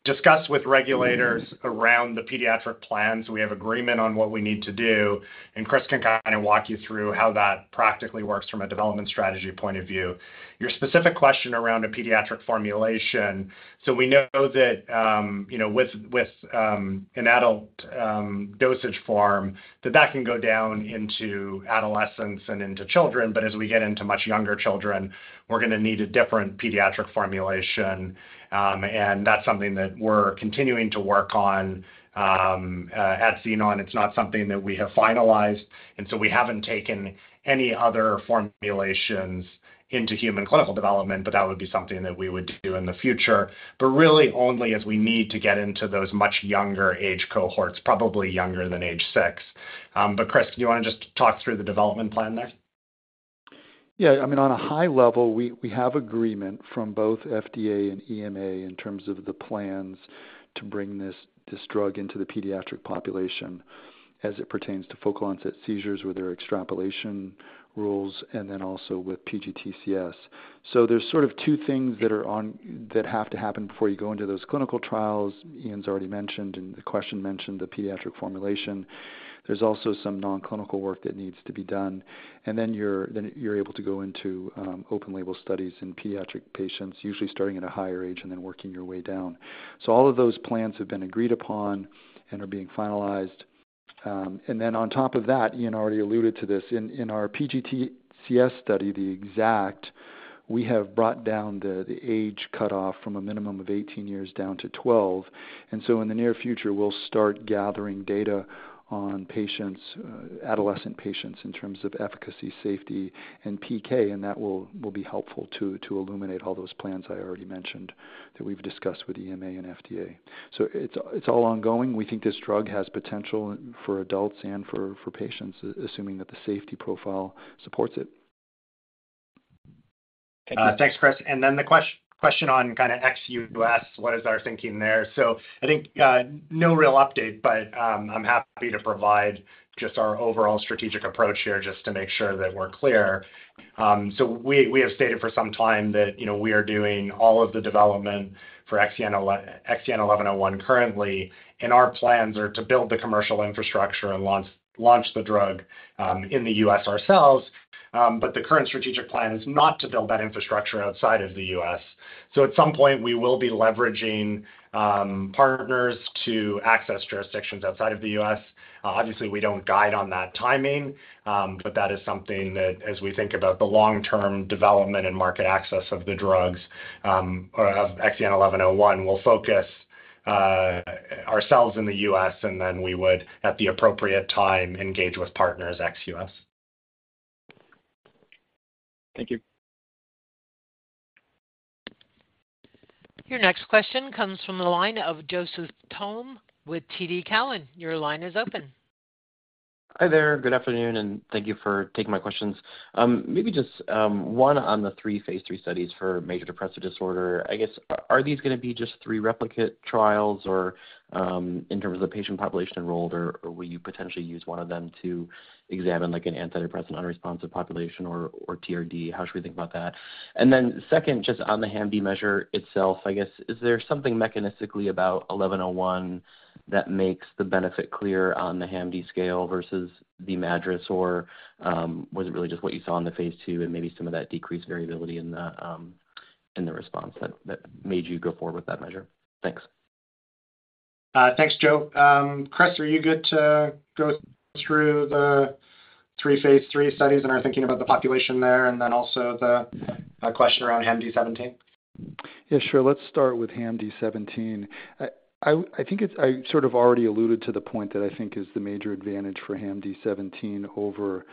discussed with regulators around the pediatric plans. We have agreement on what we need to do, and Chris can kind of walk you through how that practically works from a development strategy point of view. Your specific question around a pediatric formulation. So we know that, you know, with an adult dosage form, that that can go down into adolescence and into children, but as we get into much younger children, we're going to need a different pediatric formulation. And that's something that we're continuing to work on at Xenon. It's not something that we have finalized, and so we haven't taken any other formulations into human clinical development, but that would be something that we would do in the future. But really only as we need to get into those much younger age cohorts, probably younger than age six. But Chris, do you want to just talk through the development plan there? Yeah. I mean, on a high level, we have agreement from both FDA and EMA in terms of the plans to bring this drug into the pediatric population as it pertains to focal onset seizures, where there are extrapolation rules and then also with PGTCS. So there's sort of two things that have to happen before you go into those clinical trials. Ian's already mentioned, and the question mentioned the pediatric formulation. There's also some non-clinical work that needs to be done, and then you're able to go into open label studies in pediatric patients, usually starting at a higher age and then working your way down. So all of those plans have been agreed upon and are being finalized. And then on top of that, Ian already alluded to this, in our PGTCS study, the EXACT, we have brought down the age cutoff from a minimum of 18 years down to 12. And so in the near future, we'll start gathering data on patients, adolescent patients, in terms of efficacy, safety, and PK, and that will be helpful to illuminate all those plans I already mentioned that we've discussed with EMA and FDA. So it's all ongoing. We think this drug has potential for adults and for patients, assuming that the safety profile supports it. Thanks, Chris. Then the question on kind of ex-U.S., what is our thinking there? So I think no real update, but I'm happy to provide just our overall strategic approach here, just to make sure that we're clear. So we have stated for some time that, you know, we are doing all of the development for XEN1101 currently, and our plans are to build the commercial infrastructure and launch the drug in the U.S. ourselves. But the current strategic plan is not to build that infrastructure outside of the U.S. So at some point, we will be leveraging partners to access jurisdictions outside of the U.S. Obviously, we don't guide on that timing, but that is something that as we think about the long-term development and market access of the drugs, of XEN1101, we'll focus ourselves in the US, and then we would, at the appropriate time, engage with partners ex-US. Thank you. Your next question comes from the line of Joseph Thome with TD Cowen. Your line is open. Hi there, good afternoon, and thank you for taking my questions. Maybe just one on the three phase 3 studies for major depressive disorder. I guess, are these going to be just three replicate trials, or in terms of the patient population enrolled, or or will you potentially use one of them to examine, like, an antidepressant-unresponsive population or or TRD? How should we think about that? And then second, just on the HAM-D measure itself, I guess, is there something mechanistically about 1101 that makes the benefit clear on the HAM-D scale versus the MADRS, or was it really just what you saw in the phase 2 and maybe some of that decreased variability in the in the response that that made you go forward with that measure? Thanks. Thanks, Joe. Chris, are you good to go through the three phase 3 studies and are thinking about the population there and then also the question around HAM-D17? Yeah, sure. Let's start with HAM-D17. I think it's—I sort of already alluded to the point that I think is the major advantage for HAM-D17 over,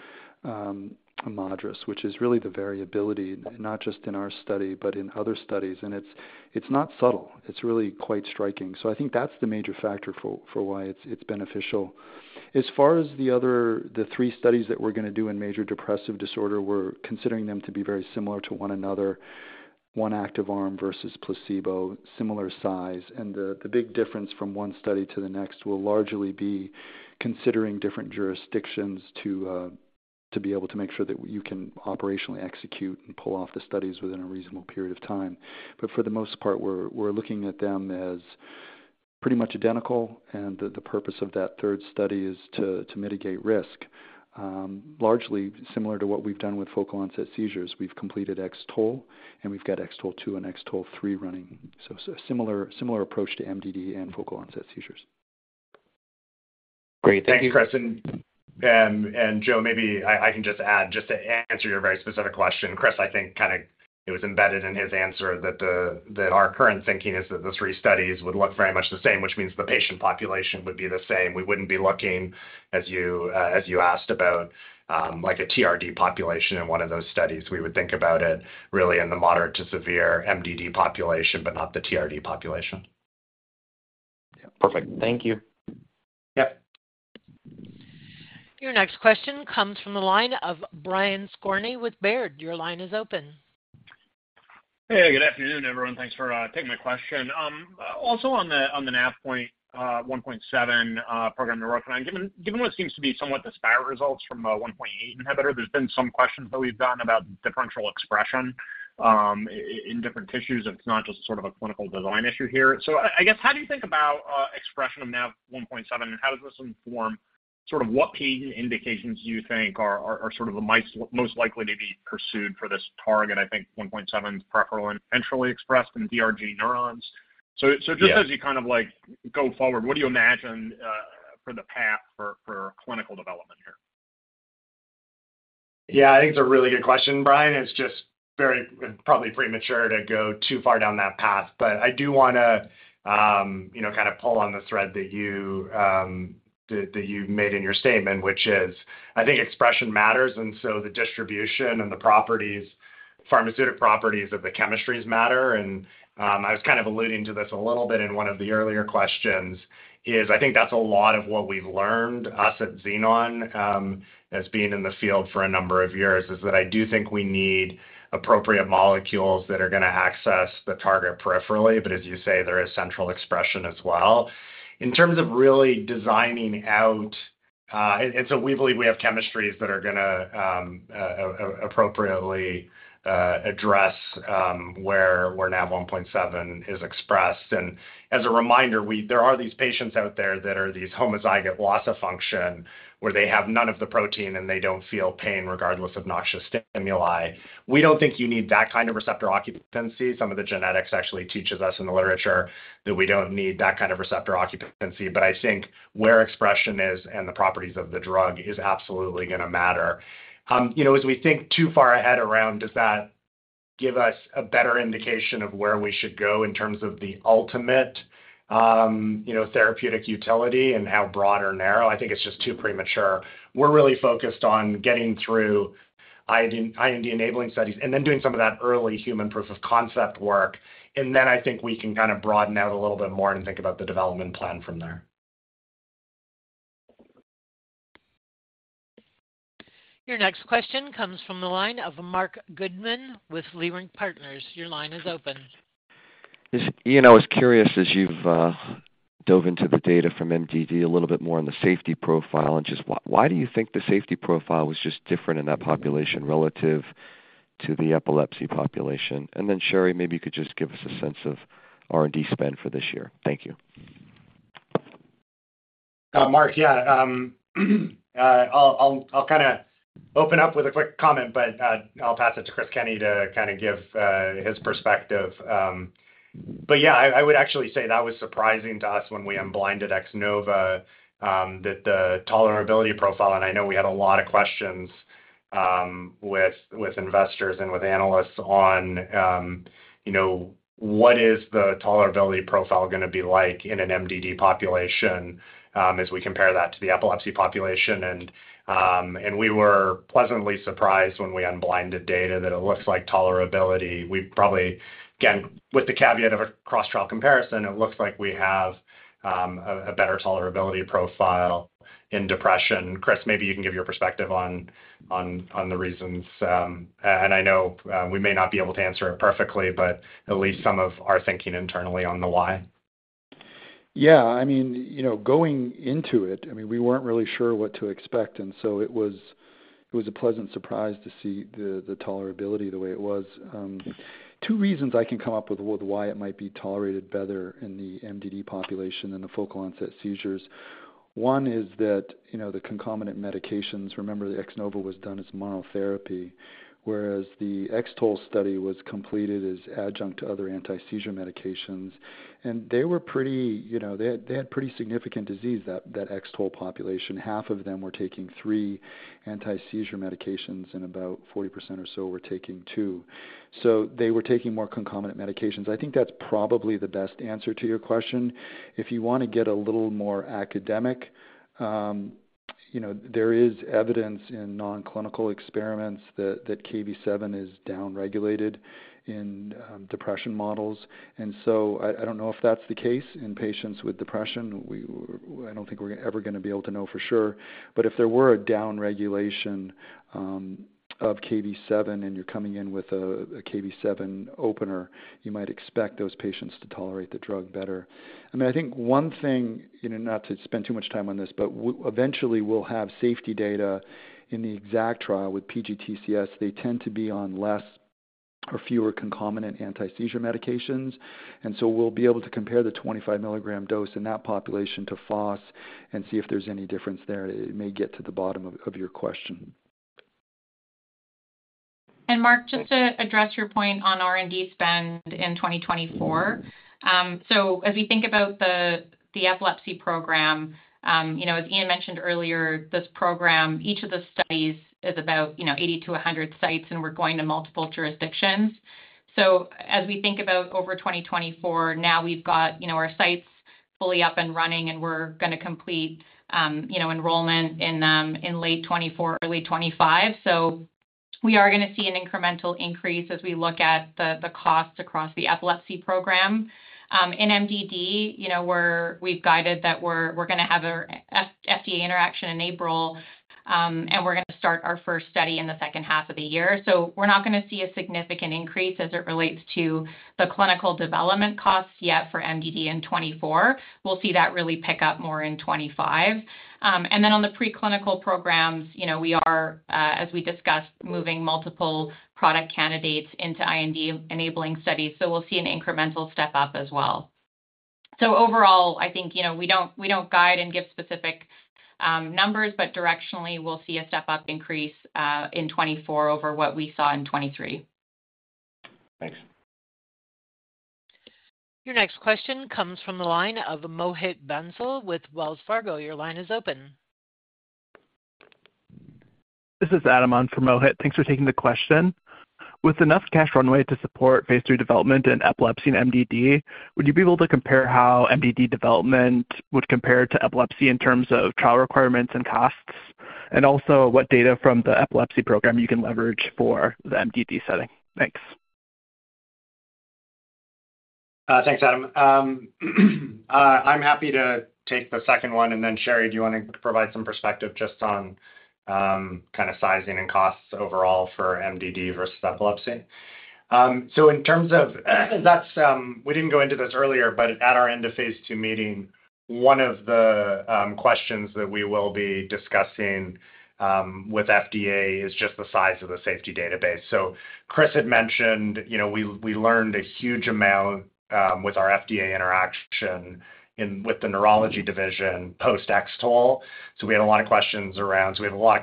MADRS, which is really the variability, not just in our study, but in other studies. And it's not subtle. It's really quite striking. So I think that's the major factor for why it's beneficial. As far as the other three studies that we're going to do in major depressive disorder, we're considering them to be very similar to one another, one active arm versus placebo, similar size. And the big difference from one study to the next will largely be considering different jurisdictions to be able to make sure that you can operationally execute and pull off the studies within a reasonable period of time. But for the most part, we're looking at them as pretty much identical, and the purpose of that third study is to mitigate risk. Largely similar to what we've done with focal onset seizures. We've completed X-TOLE, and we've got X-TOLE2 and X-TOLE3 running. So similar approach to MDD and focal onset seizures. Great. Thank you. Thanks, Chris. And Joe, maybe I can just add, just to answer your very specific question, Chris, I think kind of it was embedded in his answer that the, that our current thinking is that the three studies would look very much the same, which means the patient population would be the same. We wouldn't be looking as you, as you asked about, like a TRD population in one of those studies. We would think about it really in the moderate to severe MDD population, but not the TRD population.... Yeah. Perfect. Thank you. Yep. Your next question comes from the line of Brian Skorney with Baird. Your line is open. Hey, good afternoon, everyone. Thanks for taking my question. Also on the Nav1.7 program you're working on. Given what seems to be somewhat disparate results from 1.8 inhibitor, there's been some questions that we've gotten about differential expression in different tissues. It's not just sort of a clinical design issue here. So I guess, how do you think about expression of Nav1.7, and how does this inform sort of what pain indications you think are sort of the most likely to be pursued for this target? I think 1.7 is preferentially expressed in DRG neurons. Yeah. So, just as you kind of like go forward, what do you imagine for the path for clinical development here? Yeah, I think it's a really good question, Brian. It's just very, probably premature to go too far down that path. But I do wanna, you know, kind of pull on the thread that you made in your statement, which is, I think expression matters, and so the distribution and the properties, pharmaceutical properties of the chemistries matter. And, I was kind of alluding to this a little bit in one of the earlier questions, is I think that's a lot of what we've learned, us at Xenon, as being in the field for a number of years, is that I do think we need appropriate molecules that are gonna access the target peripherally, but as you say, there is central expression as well. In terms of really designing out... So we believe we have chemistries that are gonna appropriately address where Nav1.7 is expressed. As a reminder, there are these patients out there that are homozygous loss-of-function, where they have none of the protein and they don't feel pain regardless of noxious stimuli. We don't think you need that kind of receptor occupancy. Some of the genetics actually teaches us in the literature that we don't need that kind of receptor occupancy, but I think where expression is and the properties of the drug is absolutely gonna matter. You know, as we think too far ahead around, does that give us a better indication of where we should go in terms of the ultimate therapeutic utility and how broad or narrow? I think it's just too premature. We're really focused on getting through IND, IND-enabling studies and then doing some of that early human proof of concept work, and then I think we can kind of broaden out a little bit more and think about the development plan from there. Your next question comes from the line of Marc Goodman with Leerink Partners. Your line is open. Listen, Ian, I was curious, as you've dove into the data from MDD a little bit more on the safety profile, and just why, why do you think the safety profile was just different in that population relative to the epilepsy population? And then, Sherry, maybe you could just give us a sense of R&D spend for this year. Thank you. Mark, yeah, I'll kinda open up with a quick comment, but I'll pass it to Chris Kenney to kinda give his perspective. But yeah, I would actually say that was surprising to us when we unblinded X-NOVA, that the tolerability profile, and I know we had a lot of questions with investors and with analysts on, you know, what is the tolerability profile gonna be like in an MDD population, as we compare that to the epilepsy population. And we were pleasantly surprised when we unblinded data that it looks like tolerability. We probably, again, with the caveat of a cross-trial comparison, it looks like we have a better tolerability profile in depression. Chris, maybe you can give your perspective on the reasons. I know we may not be able to answer it perfectly, but at least some of our thinking internally on the why. Yeah, I mean, you know, going into it, I mean, we weren't really sure what to expect, and so it was a pleasant surprise to see the tolerability the way it was. Two reasons I can come up with, with why it might be tolerated better in the MDD population than the focal onset seizures. One is that, you know, the concomitant medications, remember, the X-NOVA was done as monotherapy, whereas the X-TOLE study was completed as adjunct to other anti-seizure medications. And they were pretty, you know, they had pretty significant disease, that X-TOLE population. Half of them were taking three anti-seizure medications, and about 40% or so were taking two. So they were taking more concomitant medications. I think that's probably the best answer to your question. If you wanna get a little more academic, you know, there is evidence in non-clinical experiments that Kv7 is downregulated in depression models. And so I don't know if that's the case in patients with depression. I don't think we're ever gonna be able to know for sure. But if there were a downregulation of Kv7 and you're coming in with a Kv7 opener, you might expect those patients to tolerate the drug better. I mean, I think one thing, you know, not to spend too much time on this, but eventually we'll have safety data in the EXACT trial with PGTCS. They tend to be on less or fewer concomitant anti-seizure medications, and so we'll be able to compare the 25 milligram dose in that population to FOS and see if there's any difference there. It may get to the bottom of your question. Mark, just to address your point on R&D spend in 2024. So as we think about the epilepsy program, you know, as Ian mentioned earlier, this program, each of the studies is about, you know, 80-100 sites, and we're going to multiple jurisdictions. So as we think about over 2024, now we've got, you know, our sites fully up and running, and we're gonna complete, you know, enrollment in late 2024, early 2025. So we are going to see an incremental increase as we look at the costs across the epilepsy program. In MDD, you know, we've guided that we're going to have a FDA interaction in April, and we're going to start our first study in the second half of the year. So we're not going to see a significant increase as it relates to the clinical development costs yet for MDD in 2024. We'll see that really pick up more in 2025. And then on the preclinical programs, you know, we are, as we discussed, moving multiple product candidates into IND-enabling studies, so we'll see an incremental step up as well. So overall, I think, you know, we don't, we don't guide and give specific, numbers, but directionally, we'll see a step-up increase, in 2024 over what we saw in 2023. Thanks. Your next question comes from the line of Mohit Bansal with Wells Fargo. Your line is open. This is Adam on for Mohit. Thanks for taking the question. With enough cash runway to support phase III development in epilepsy and MDD, would you be able to compare how MDD development would compare to epilepsy in terms of trial requirements and costs? And also, what data from the epilepsy program you can leverage for the MDD setting? Thanks. Thanks, Adam. I'm happy to take the second one, and then, Sherry, do you want to provide some perspective just on kind of sizing and costs overall for MDD versus epilepsy? So in terms of that, we didn't go into this earlier, but at our end of phase II meeting, one of the questions that we will be discussing with FDA is just the size of the safety database. So Chris had mentioned, you know, we learned a huge amount with our FDA interaction and with the neurology division post-X-TOLE. So we have a lot of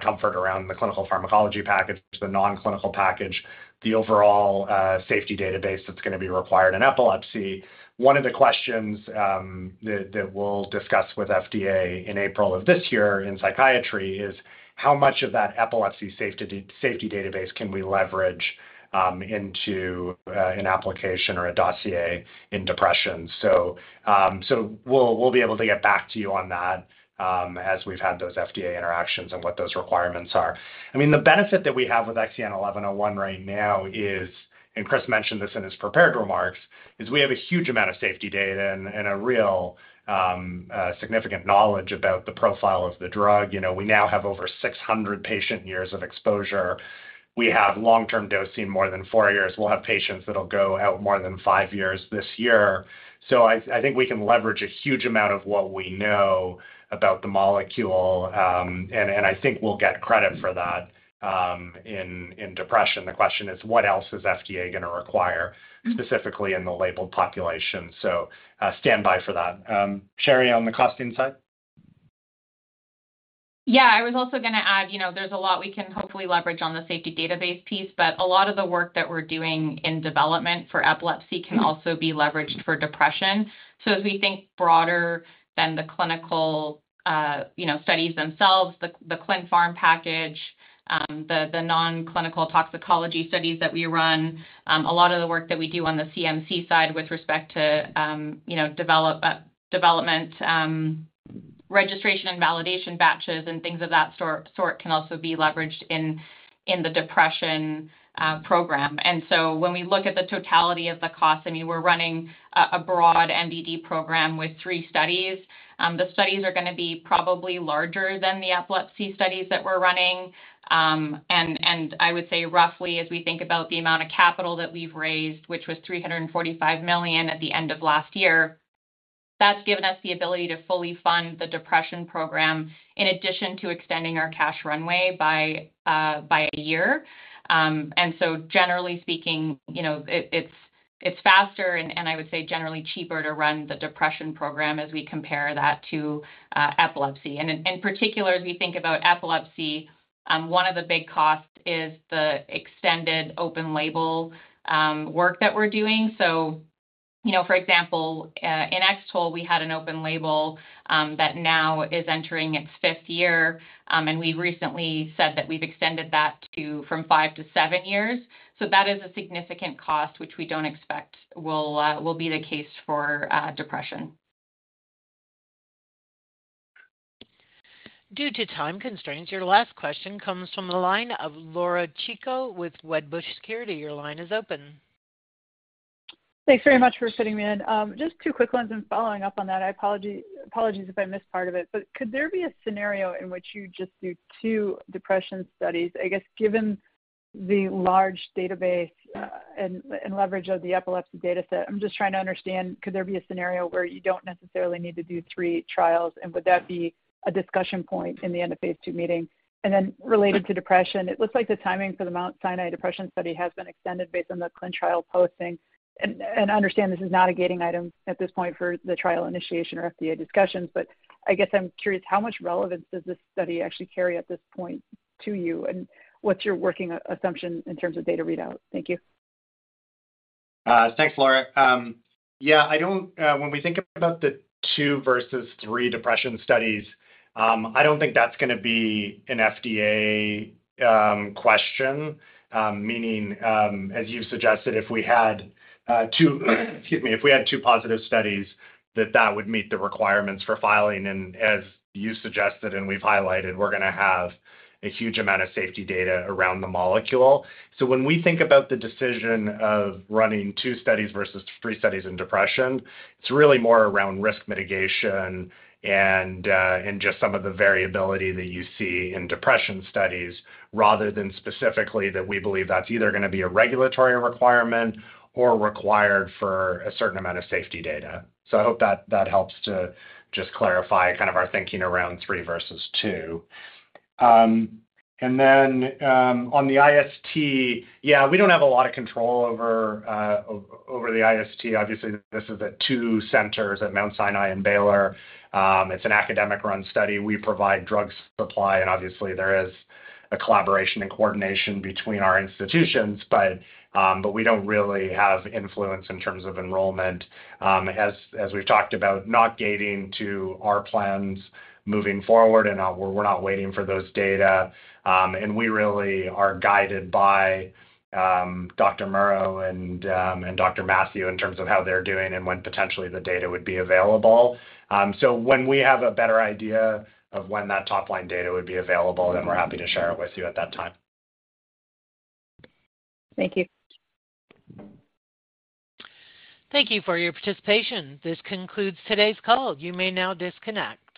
comfort around the clinical pharmacology package, the non-clinical package, the overall safety database that's going to be required in epilepsy. One of the questions that we'll discuss with FDA in April of this year in psychiatry is: how much of that epilepsy safety database can we leverage into an application or a dossier in depression? So we'll be able to get back to you on that as we've had those FDA interactions and what those requirements are. I mean, the benefit that we have with XEN1101 right now is, and Chris mentioned this in his prepared remarks, is we have a huge amount of safety data and a real significant knowledge about the profile of the drug. You know, we now have over 600 patient years of exposure. We have long-term dosing, more than four years. We'll have patients that'll go out more than five years this year. So I think we can leverage a huge amount of what we know about the molecule, and I think we'll get credit for that, in depression. The question is, what else is FDA going to require, specifically in the labeled population? So, stand by for that. Sherry, on the costing side? Yeah, I was also going to add, you know, there's a lot we can hopefully leverage on the safety database piece, but a lot of the work that we're doing in development for epilepsy can also be leveraged for depression. So as we think broader than the clinical, you know, studies themselves, the clin pharm package, the non-clinical toxicology studies that we run, a lot of the work that we do on the CMC side with respect to, you know, development, registration and validation batches and things of that sort can also be leveraged in the depression program. And so when we look at the totality of the costs, I mean, we're running a broad MDD program with three studies. The studies are going to be probably larger than the epilepsy studies that we're running. And I would say roughly, as we think about the amount of capital that we've raised, which was $345 million at the end of last year, that's given us the ability to fully fund the depression program, in addition to extending our cash runway by a year. And so generally speaking, you know, it, it's faster and I would say generally cheaper to run the depression program as we compare that to epilepsy. In particular, as we think about epilepsy, one of the big costs is the extended open label work that we're doing. So, you know, for example, in X-TOLE, we had an open label that now is entering its fifth year, and we recently said that we've extended that from five to seven years. So that is a significant cost, which we don't expect will be the case for depression. Due to time constraints, your last question comes from the line of Laura Chico with Wedbush Securities. Your line is open. Thanks very much for fitting me in. Just two quick ones, and following up on that, apologies if I missed part of it, but could there be a scenario in which you just do two depression studies? I guess, given the large database, and leverage of the epilepsy data set, I'm just trying to understand, could there be a scenario where you don't necessarily need to do three trials? And would that be a discussion point in the end of phase II meeting? And then related to depression, it looks like the timing for the Mount Sinai depression study has been extended based on the clinical trial posting. I understand this is not a gating item at this point for the trial initiation or FDA discussions, but I guess I'm curious, how much relevance does this study actually carry at this point to you? And what's your working assumption in terms of data readout? Thank you. Thanks, Laura. Yeah, I don't, when we think about the two versus three depression studies, I don't think that's going to be an FDA question. Meaning, as you suggested, if we had two, excuse me, if we had two positive studies, that that would meet the requirements for filing. And as you suggested and we've highlighted, we're going to have a huge amount of safety data around the molecule. So when we think about the decision of running two studies versus three studies in depression, it's really more around risk mitigation and, and just some of the variability that you see in depression studies, rather than specifically that we believe that's either going to be a regulatory requirement or required for a certain amount of safety data. So I hope that, that helps to just clarify kind of our thinking around three versus two. Then, on the IST, yeah, we don't have a lot of control over over the IST. Obviously, this is at two centers, at Mount Sinai and Baylor. It's an academic-run study. We provide drug supply, and obviously, there is a collaboration and coordination between our institutions, but we don't really have influence in terms of enrollment. As we've talked about, not gating to our plans moving forward, and, we're not waiting for those data. And we really are guided by, Dr. Murrough and, and Dr. Mathew in terms of how they're doing and when potentially the data would be available. So when we have a better idea of when that top-line data would be available, then we're happy to share it with you at that time. Thank you. Thank you for your participation. This concludes today's call. You may now disconnect.